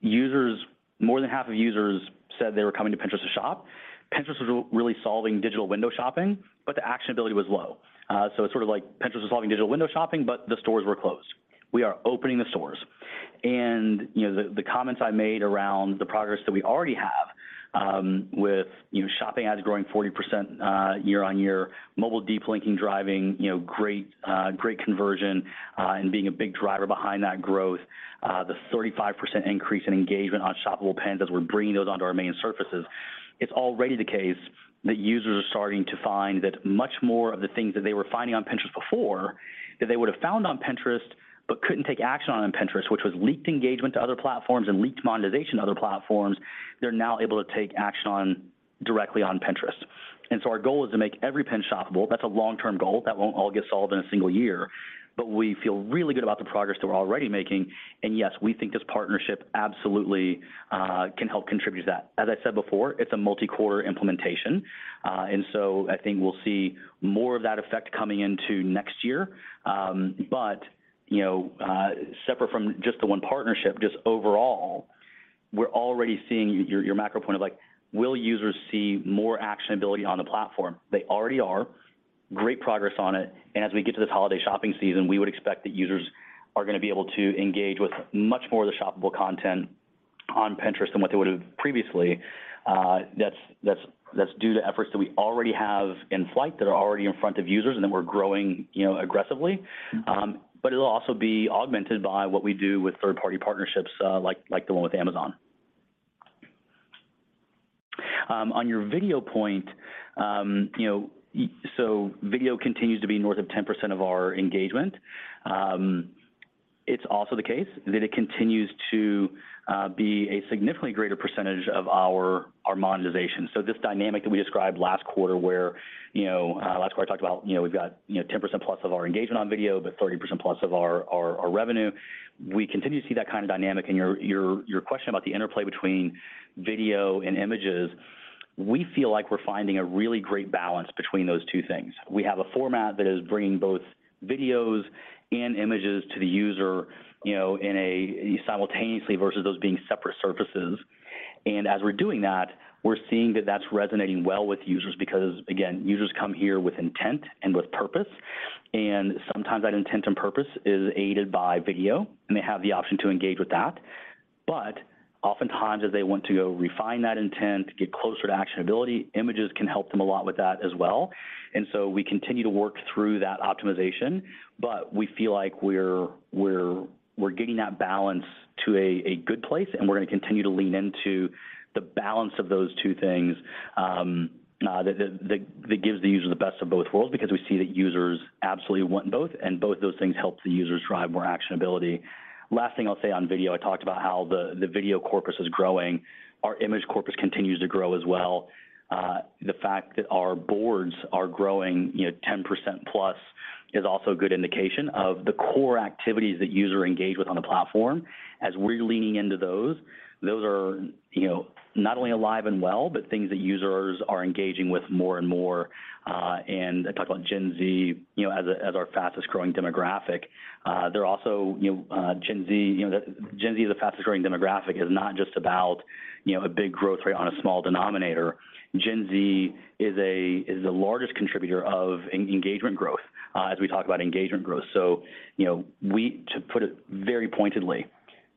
users, more than half of users said they were coming to Pinterest to shop. Pinterest was really solving digital window shopping, but the actionability was low. It's sort of like Pinterest was solving digital window shopping, but the stores were closed. We are opening the stores, you know, the comments I made around the progress that we already have with, you know, shopping ads growing 40% year-on-year, mobile deep linking driving, you know, great conversion and being a big driver behind that growth, the 35% increase in engagement on shoppable pins as we're bringing those onto our main surfaces. It's already the case that users are starting to find that much more of the things that they were finding on Pinterest before, that they would have found on Pinterest but couldn't take action on in Pinterest, which was leaked engagement to other platforms and leaked monetization to other platforms they're now able to take action on directly on Pinterest. Our goal is to make every pin shoppable. That's a long-term goal. That won't all get solved in a single year, but we feel really good about the progress that we're already making. Yes, we think this partnership absolutely can help contribute to that. As I said before, it's a multi-quarter implementation. I think we'll see more of that effect coming into next year. You know, separate from just the one partnership, just overall, we're already seeing your macro point of like, will users see more actionability on the platform? They already are. Great progress on it. As we get to this holiday shopping season, we would expect that users are going to be able to engage with much more of the shoppable content on Pinterest than what they would have previously. That's due to efforts that we already have in flight that are already in front of users, and then we're growing, you know, aggressively. It'll also be augmented by what we do with third-party partnerships, like the one with Amazon. On your video point, you know, video continues to be north of 10% of our engagement. It's also the case that it continues to be a significantly greater percentage of our monetization. This dynamic that we described last quarter where, you know, last quarter I talked about, you know, we've got, you know, 10%+ of our engagement on video, but 30%+ of our revenue. We continue to see that kind of dynamic and your question about the interplay between video and images, we feel like we're finding a really great balance between those two things. We have a format that is bringing both videos and images to the user, you know, in a simultaneously versus those being separate surfaces. As we're doing that, we're seeing that that's resonating well with users because, again, users come here with intent and with purpose, and sometimes that intent and purpose is aided by video, and they have the option to engage with that. Oftentimes as they want to go refine that intent, get closer to actionability, images can help them a lot with that as well. We continue to work through that optimization. We feel like we're getting that balance to a good place and we're going to continue to lean into the balance of those two things that gives the user the best of both worlds because we see that users absolutely want both. Both those things help the users drive more actionability. Last thing I'll say on video, I talked about how the video corpus is growing. Our image corpus continues to grow as well. The fact that our boards are growing, you know, 10% plus is also a good indication of the core activities that user engage with on the platform. As we're leaning into those are, you know, not only alive and well, but things that users are engaging with more and more. I talked about Gen Z, you know, as our fastest growing demographic. They're also, you know, Gen Z. You know, Gen Z is the fastest growing demographic is not just about, you know, a big growth rate on a small denominator. Gen Z is a, is the largest contributor of engagement growth, as we talk about engagement growth. You know, we... To put it very pointedly,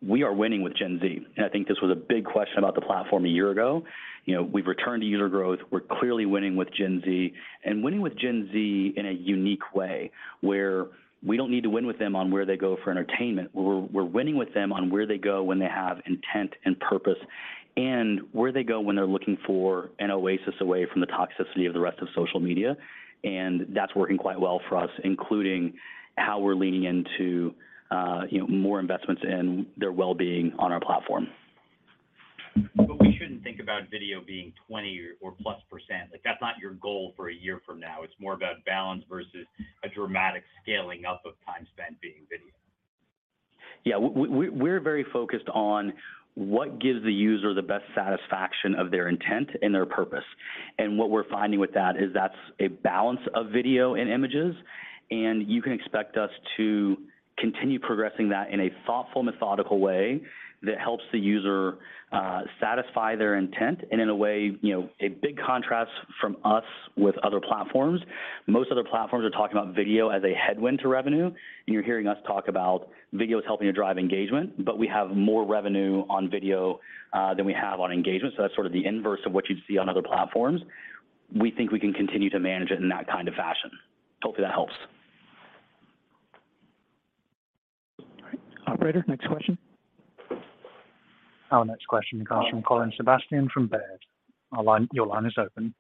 we are winning with Gen Z, and I think this was a big question about the platform a year ago. You know, we've returned to user growth. We're clearly winning with Gen Z and winning with Gen Z in a unique way where we don't need to win with them on where they go for entertainment. We're winning with them on where they go when they have intent and purpose and where they go when they're looking for an oasis away from the toxicity of the rest of social media. That's working quite well for us, including how we're leaning into, you know, more investments in their well-being on our platform. We shouldn't think about video being 20 or +%. That's not your goal for a year from now. It's more about balance versus a dramatic scaling up of time spent being video. Yeah. We're very focused on what gives the user the best satisfaction of their intent and their purpose. What we're finding with that is that's a balance of video and images. You can expect us to continue progressing that in a thoughtful, methodical way that helps the user satisfy their intent and in a way, you know, a big contrast from us with other platforms. Most other platforms are talking about video as a headwind to revenue, and you're hearing us talk about video is helping to drive engagement. We have more revenue on video than we have on engagement, so that's sort of the inverse of what you'd see on other platforms. We think we can continue to manage it in that kind of fashion. Hopefully that helps. All right. Operator, next question. Our next question comes from Colin Sebastian from Baird. Your line is open.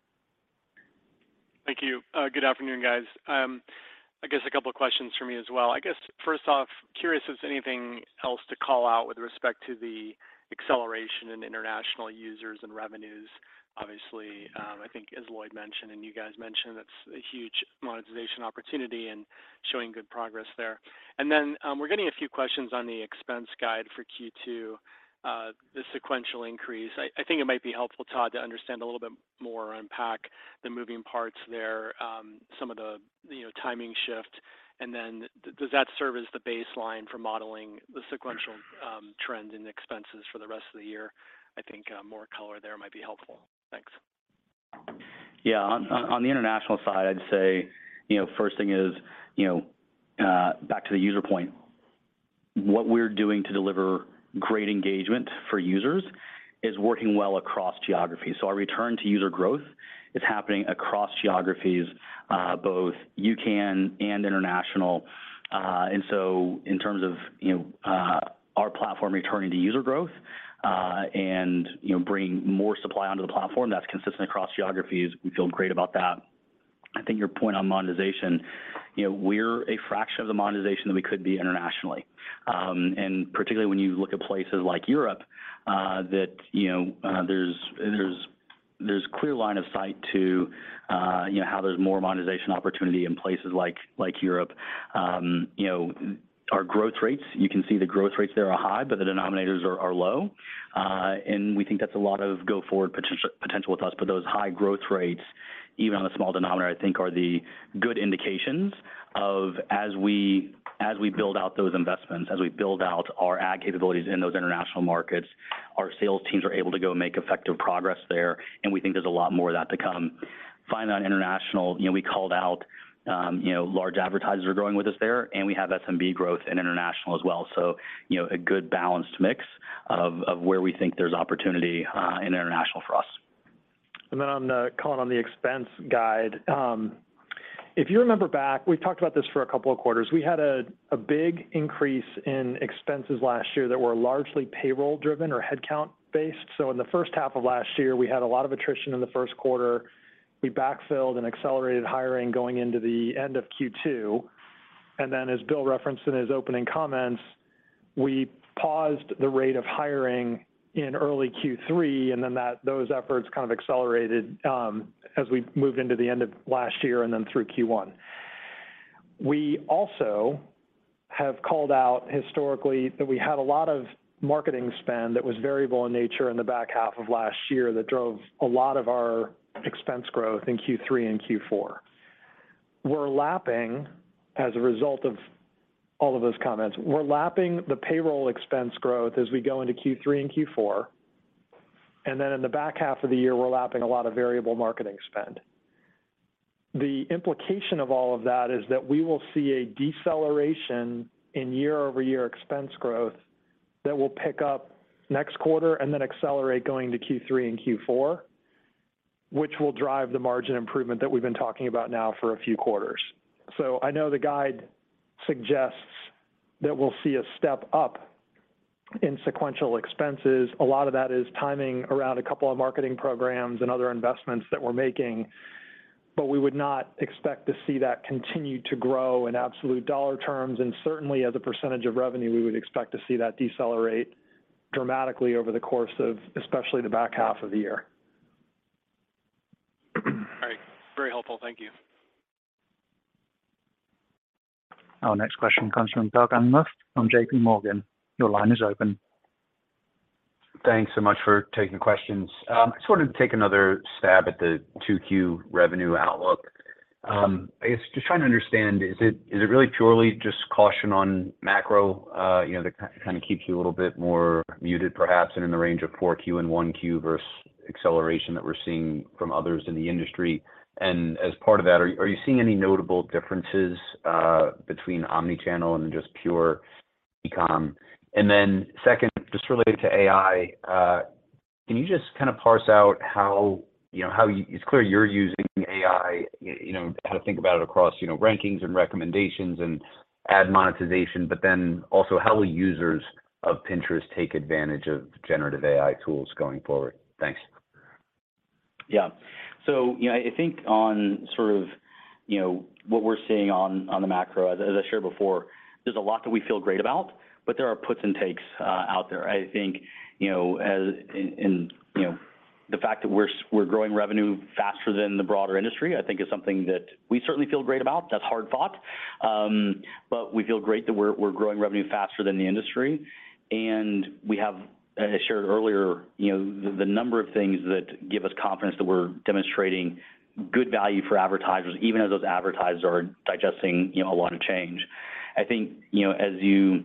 Thank you. Good afternoon, guys. I guess a couple questions for me as well. I guess first off, curious if there's anything else to call out with respect to the acceleration in international users and revenues. Obviously, I think as Lloyd mentioned and you guys mentioned, that's a huge monetization opportunity and showing good progress there. We're getting a few questions on the expense guide for Q2, the sequential increase. I think it might be helpful, Todd, to understand a little bit more or unpack the moving parts there, some of the, you know, timing shift. Does that serve as the baseline for modeling the sequential trend in expenses for the rest of the year? I think more color there might be helpful. Thanks. Yeah. On the international side, I'd say, you know, first thing is, you know, back to the user point. What we're doing to deliver great engagement for users is working well across geographies. Our return to user growth is happening across geographies, both UCAN and international. In terms of, you know, our platform returning to user growth, and, you know, bringing more supply onto the platform that's consistent across geographies, we feel great about that. I think your point on monetization, you know, we're a fraction of the monetization that we could be internationally. Particularly when you look at places like Europe, that, you know, there's clear line of sight to, you know, how there's more monetization opportunity in places like Europe. You know, our growth rates, you can see the growth rates there are high, but the denominators are low. We think that's a lot of go forward potential with us, but those high growth rates, even on a small denominator, I think are the good indications of as we build out those investments, as we build out our ad capabilities in those international markets, our sales teams are able to go make effective progress there, and we think there's a lot more of that to come. Finally, on international, you know, we called out, you know, large advertisers are growing with us there and we have SMB growth in international as well. You know, a good balanced mix of where we think there's opportunity in international for us. On Colin, on the expense guide. If you remember back, we talked about this for a couple of quarters. We had a big increase in expenses last year that were largely payroll driven or headcount based. In the first half of last year, we had a lot of attrition in the first quarter. We backfilled and accelerated hiring going into the end of Q2. As Bill referenced in his opening comments, we paused the rate of hiring in early Q3, and those efforts kind of accelerated as we moved into the end of last year and through Q1. We also have called out historically that we had a lot of marketing spend that was variable in nature in the back half of last year that drove a lot of our expense growth in Q3 and Q4. We're lapping as a result of all of those comments. We're lapping the payroll expense growth as we go into Q3 and Q4, and then in the back half of the year, we're lapping a lot of variable marketing spend. The implication of all of that is that we will see a deceleration in year-over-year expense growth that will pick up next quarter and then accelerate going to Q3 and Q4, which will drive the margin improvement that we've been talking about now for a few quarters. I know the guide suggests that we'll see a step up in sequential expenses. A lot of that is timing around a couple of marketing programs and other investments that we're making, but we would not expect to see that continue to grow in absolute dollar terms and certainly as a percentage of revenue, we would expect to see that decelerate dramatically over the course of, especially the back half of the year. All right. Very helpful. Thank you. Our next question comes from Doug Anmuth from J.P. Morgan. Your line is open. Thanks so much for taking questions. I just wanted to take another stab at the 2Q revenue outlook. I guess just trying to understand, is it, is it really purely just caution on macro, you know, that kind of keeps you a little bit more muted perhaps and in the range of 4Q and 1Q versus acceleration that we're seeing from others in the industry? And as part of that, are you seeing any notable differences between omni-channel and then just pure e-com? And then second, just related to AI, can you just kind of parse out how... It's clear you're using AI, you know, how to think about it across, you know, rankings and recommendations and ad monetization, but then also how will users of Pinterest take advantage of generative AI tools going forward? Thanks. You know, I think on sort of, you know, what we're seeing on the macro, as I shared before, there's a lot that we feel great about, but there are puts and takes out there. I think, you know, as, you know, the fact that we're growing revenue faster than the broader industry, I think is something that we certainly feel great about. That's hard fought. We feel great that we're growing revenue faster than the industry. We have, as I shared earlier, you know, the number of things that give us confidence that we're demonstrating good value for advertisers, even as those advertisers are digesting, you know, a lot of change. I think, you know, as, you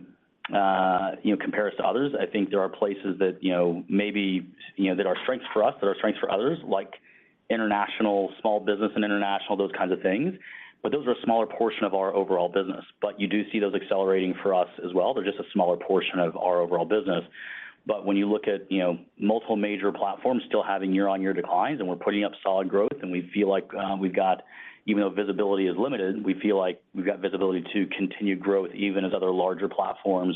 know, compares to others. I think there are places that, you know, maybe, you know, that are strengths for us, that are strengths for others, like international small business and international, those kinds of things. Those are a smaller portion of our overall business. You do see those accelerating for us as well. They're just a smaller portion of our overall business. When you look at, you know, multiple major platforms still having year-over-year declines, and we're putting up solid growth, and we feel like Even though visibility is limited, we feel like we've got visibility to continued growth even as other larger platforms,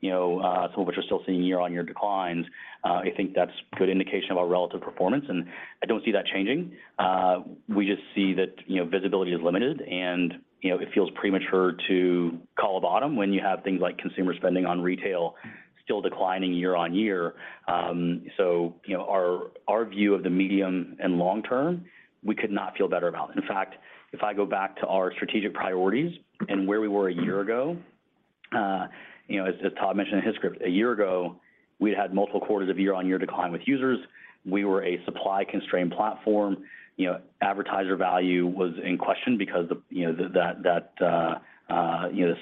you know, some of which are still seeing year-over-year declines, I think that's good indication of our relative performance, and I don't see that changing. We just see that, you know, visibility is limited. You know, it feels premature to call a bottom when you have things like consumer spending on retail still declining year-on-year. You know, our view of the medium and long term, we could not feel better about. In fact, if I go back to our strategic priorities and where we were a year ago, you know, as Todd mentioned in his script, a year ago, we'd had multiple quarters of year-on-year decline with users. We were a supply-constrained platform. You know, advertiser value was in question because the, you know, that, you know,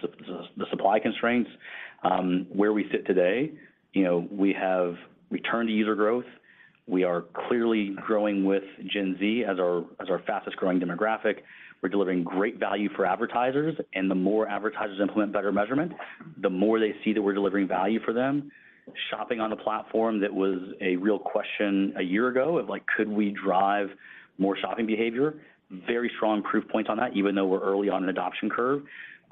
the supply constraints. Where we sit today, you know, we have returned to user growth. We are clearly growing with Gen Z as our fastest-growing demographic. We're delivering great value for advertisers. The more advertisers implement better measurement, the more they see that we're delivering value for them. Shopping on the platform, that was a real question a year ago of, like, could we drive more shopping behavior? Very strong proof points on that, even though we're early on in adoption curve.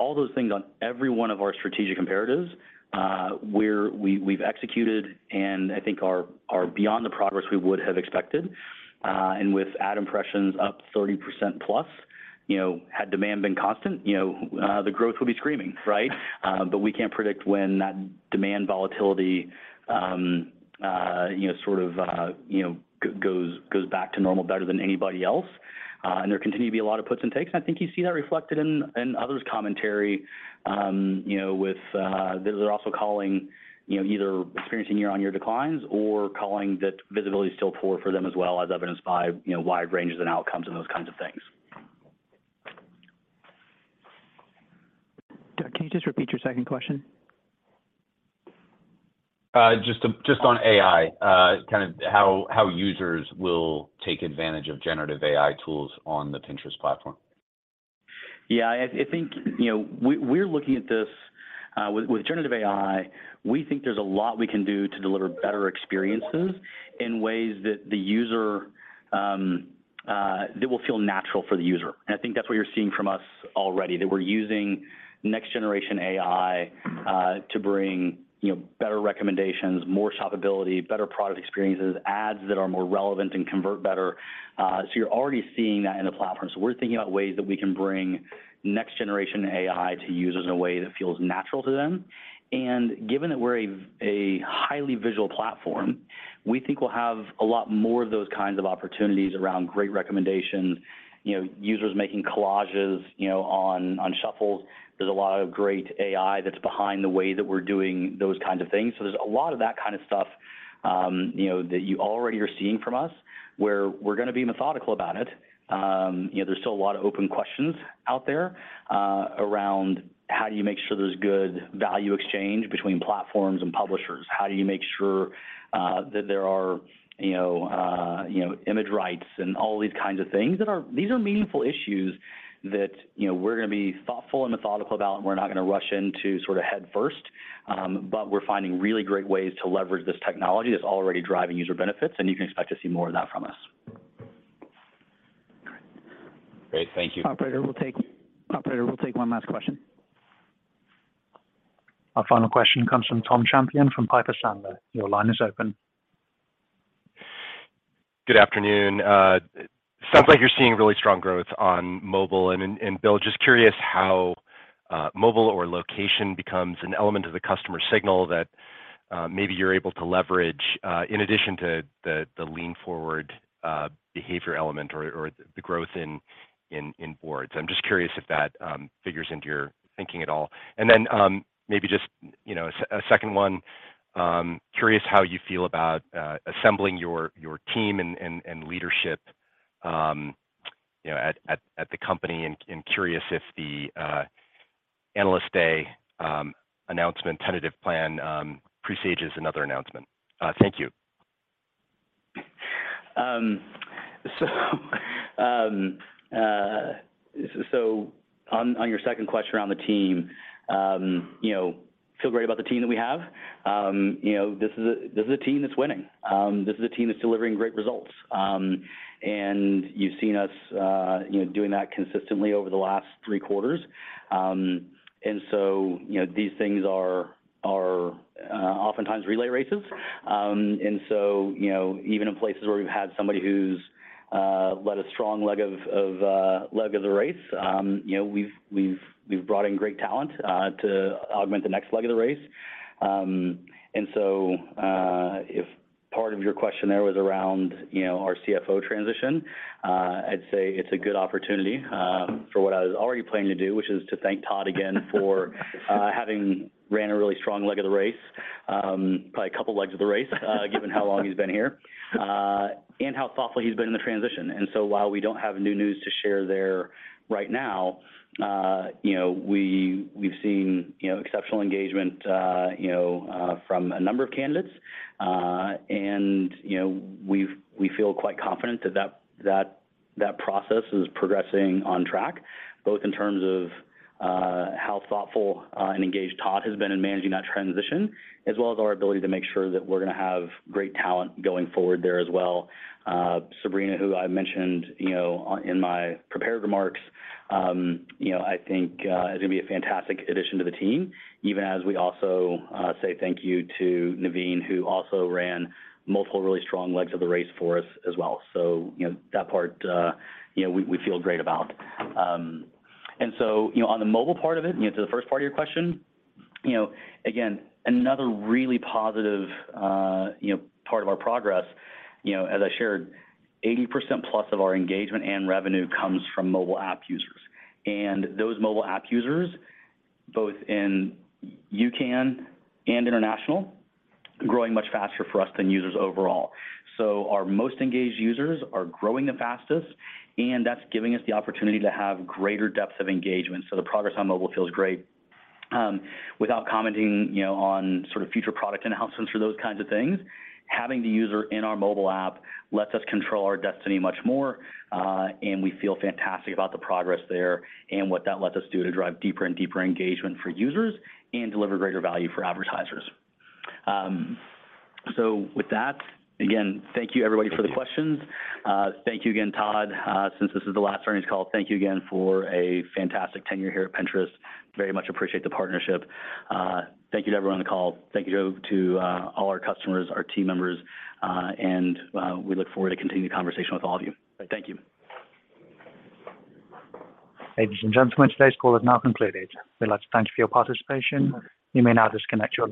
All those things on every one of our strategic comparatives, we've executed and I think are beyond the progress we would have expected. With ad impressions up 30%+, you know, had demand been constant, you know, the growth would be screaming, right? We can't predict when that demand volatility, you know, sort of, you know, goes back to normal better than anybody else. There continue to be a lot of puts and takes, and I think you see that reflected in others' commentary, you know, with, those that are also calling, you know, either experiencing year-on-year declines or calling that visibility is still poor for them as well, as evidenced by, you know, wide ranges in outcomes and those kinds of things. Can you just repeat your second question? Just on AI, kind of how users will take advantage of generative AI tools on the Pinterest platform? Yeah. I think, you know, we're looking at this with generative AI, we think there's a lot we can do to deliver better experiences in ways that the user that will feel natural for the user. I think that's what you're seeing from us already, that we're using next generation AI to bring, you know, better recommendations, more shoppability, better product experiences, ads that are more relevant and convert better. You're already seeing that in the platform. We're thinking about ways that we can bring next generation AI to users in a way that feels natural to them. Given that we're a highly visual platform, we think we'll have a lot more of those kinds of opportunities around great recommendations. You know, users making collages, you know, on Shuffles. There's a lot of great AI that's behind the way that we're doing those kinds of things. There's a lot of that kind of stuff, you know, that you already are seeing from us, where we're going to be methodical about it. You know, there's still a lot of open questions out there, around how do you make sure there's good value exchange between platforms and publishers? How do you make sure that there are, you know, you know, image rights and all these kinds of things. These are meaningful issues that, you know, we're going to be thoughtful and methodical about, and we're not going to rush into sort of headfirst. We're finding really great ways to leverage this technology that's already driving user benefits, and you can expect to see more of that from us. Great. Thank you. Operator, we'll take one last question. Our final question comes from Tom Champion from Piper Sandler. Your line is open. Good afternoon. It sounds like you're seeing really strong growth on mobile. Bill, just curious how mobile or location becomes an element of the customer signal that maybe you're able to leverage in addition to the lean-forward behavior element or the growth in boards. I'm just curious if that figures into your thinking at all. Maybe just, you know, a second one. Curious how you feel about assembling your team and leadership, you know, at the company, and curious if the Analyst Day announcement tentative plan presages another announcement? Thank you. On your second question around the team, you know, feel great about the team that we have. You know, this is a team that's winning. This is a team that's delivering great results. You've seen us, you know, doing that consistently over the last three quarters. These things are oftentimes relay races. Even in places where we've had somebody who's led a strong leg of the race, you know, we've brought in great talent to augment the next leg of the race. If part of your question there was around, you know, our CFO transition, I'd say it's a good opportunity for what I was already planning to do, which is to thank Todd again for having ran a really strong leg of the race, probably a couple legs of the race, given how long he's been here, and how thoughtful he's been in the transition. While we don't have new news to share there right now, you know, we've seen, you know, exceptional engagement, you know, from a number of candidates. You know, we've, we feel quite confident that that process is progressing on track, both in terms of how thoughtful and engaged Todd has been in managing that transition, as well as our ability to make sure that we're gonna have great talent going forward there as well. Sabrina, who I mentioned, you know, on, in my prepared remarks, you know, I think is gonna be a fantastic addition to the team, even as we also say thank you to Naveen, who also ran multiple really strong legs of the race for us as well. You know, that part, you know, we feel great about. You know, on the mobile part of it, you know, to the first part of your question, you know, again, another really positive, you know, part of our progress, you know, as I shared, 80% plus of our engagement and revenue comes from mobile app users. Those mobile app users, both in UCAN and international, growing much faster for us than users overall. Our most engaged users are growing the fastest, and that's giving us the opportunity to have greater depth of engagement. The progress on mobile feels great. Without commenting, you know, on sort of future product announcements for those kinds of things, having the user in our mobile app lets us control our destiny much more. We feel fantastic about the progress there and what that lets us do to drive deeper and deeper engagement for users and deliver greater value for advertisers. With that, again, thank you everybody for the questions. Thank you again, Todd. Since this is the last earnings call, thank you again for a fantastic tenure here at Pinterest. Very much appreciate the partnership. Thank you to everyone on the call. Thank you to all our customers, our team members, and we look forward to continuing the conversation with all of you. Thank you. Ladies and gentlemen, today's call is now concluded. We'd like to thank you for your participation. You may now disconnect your line.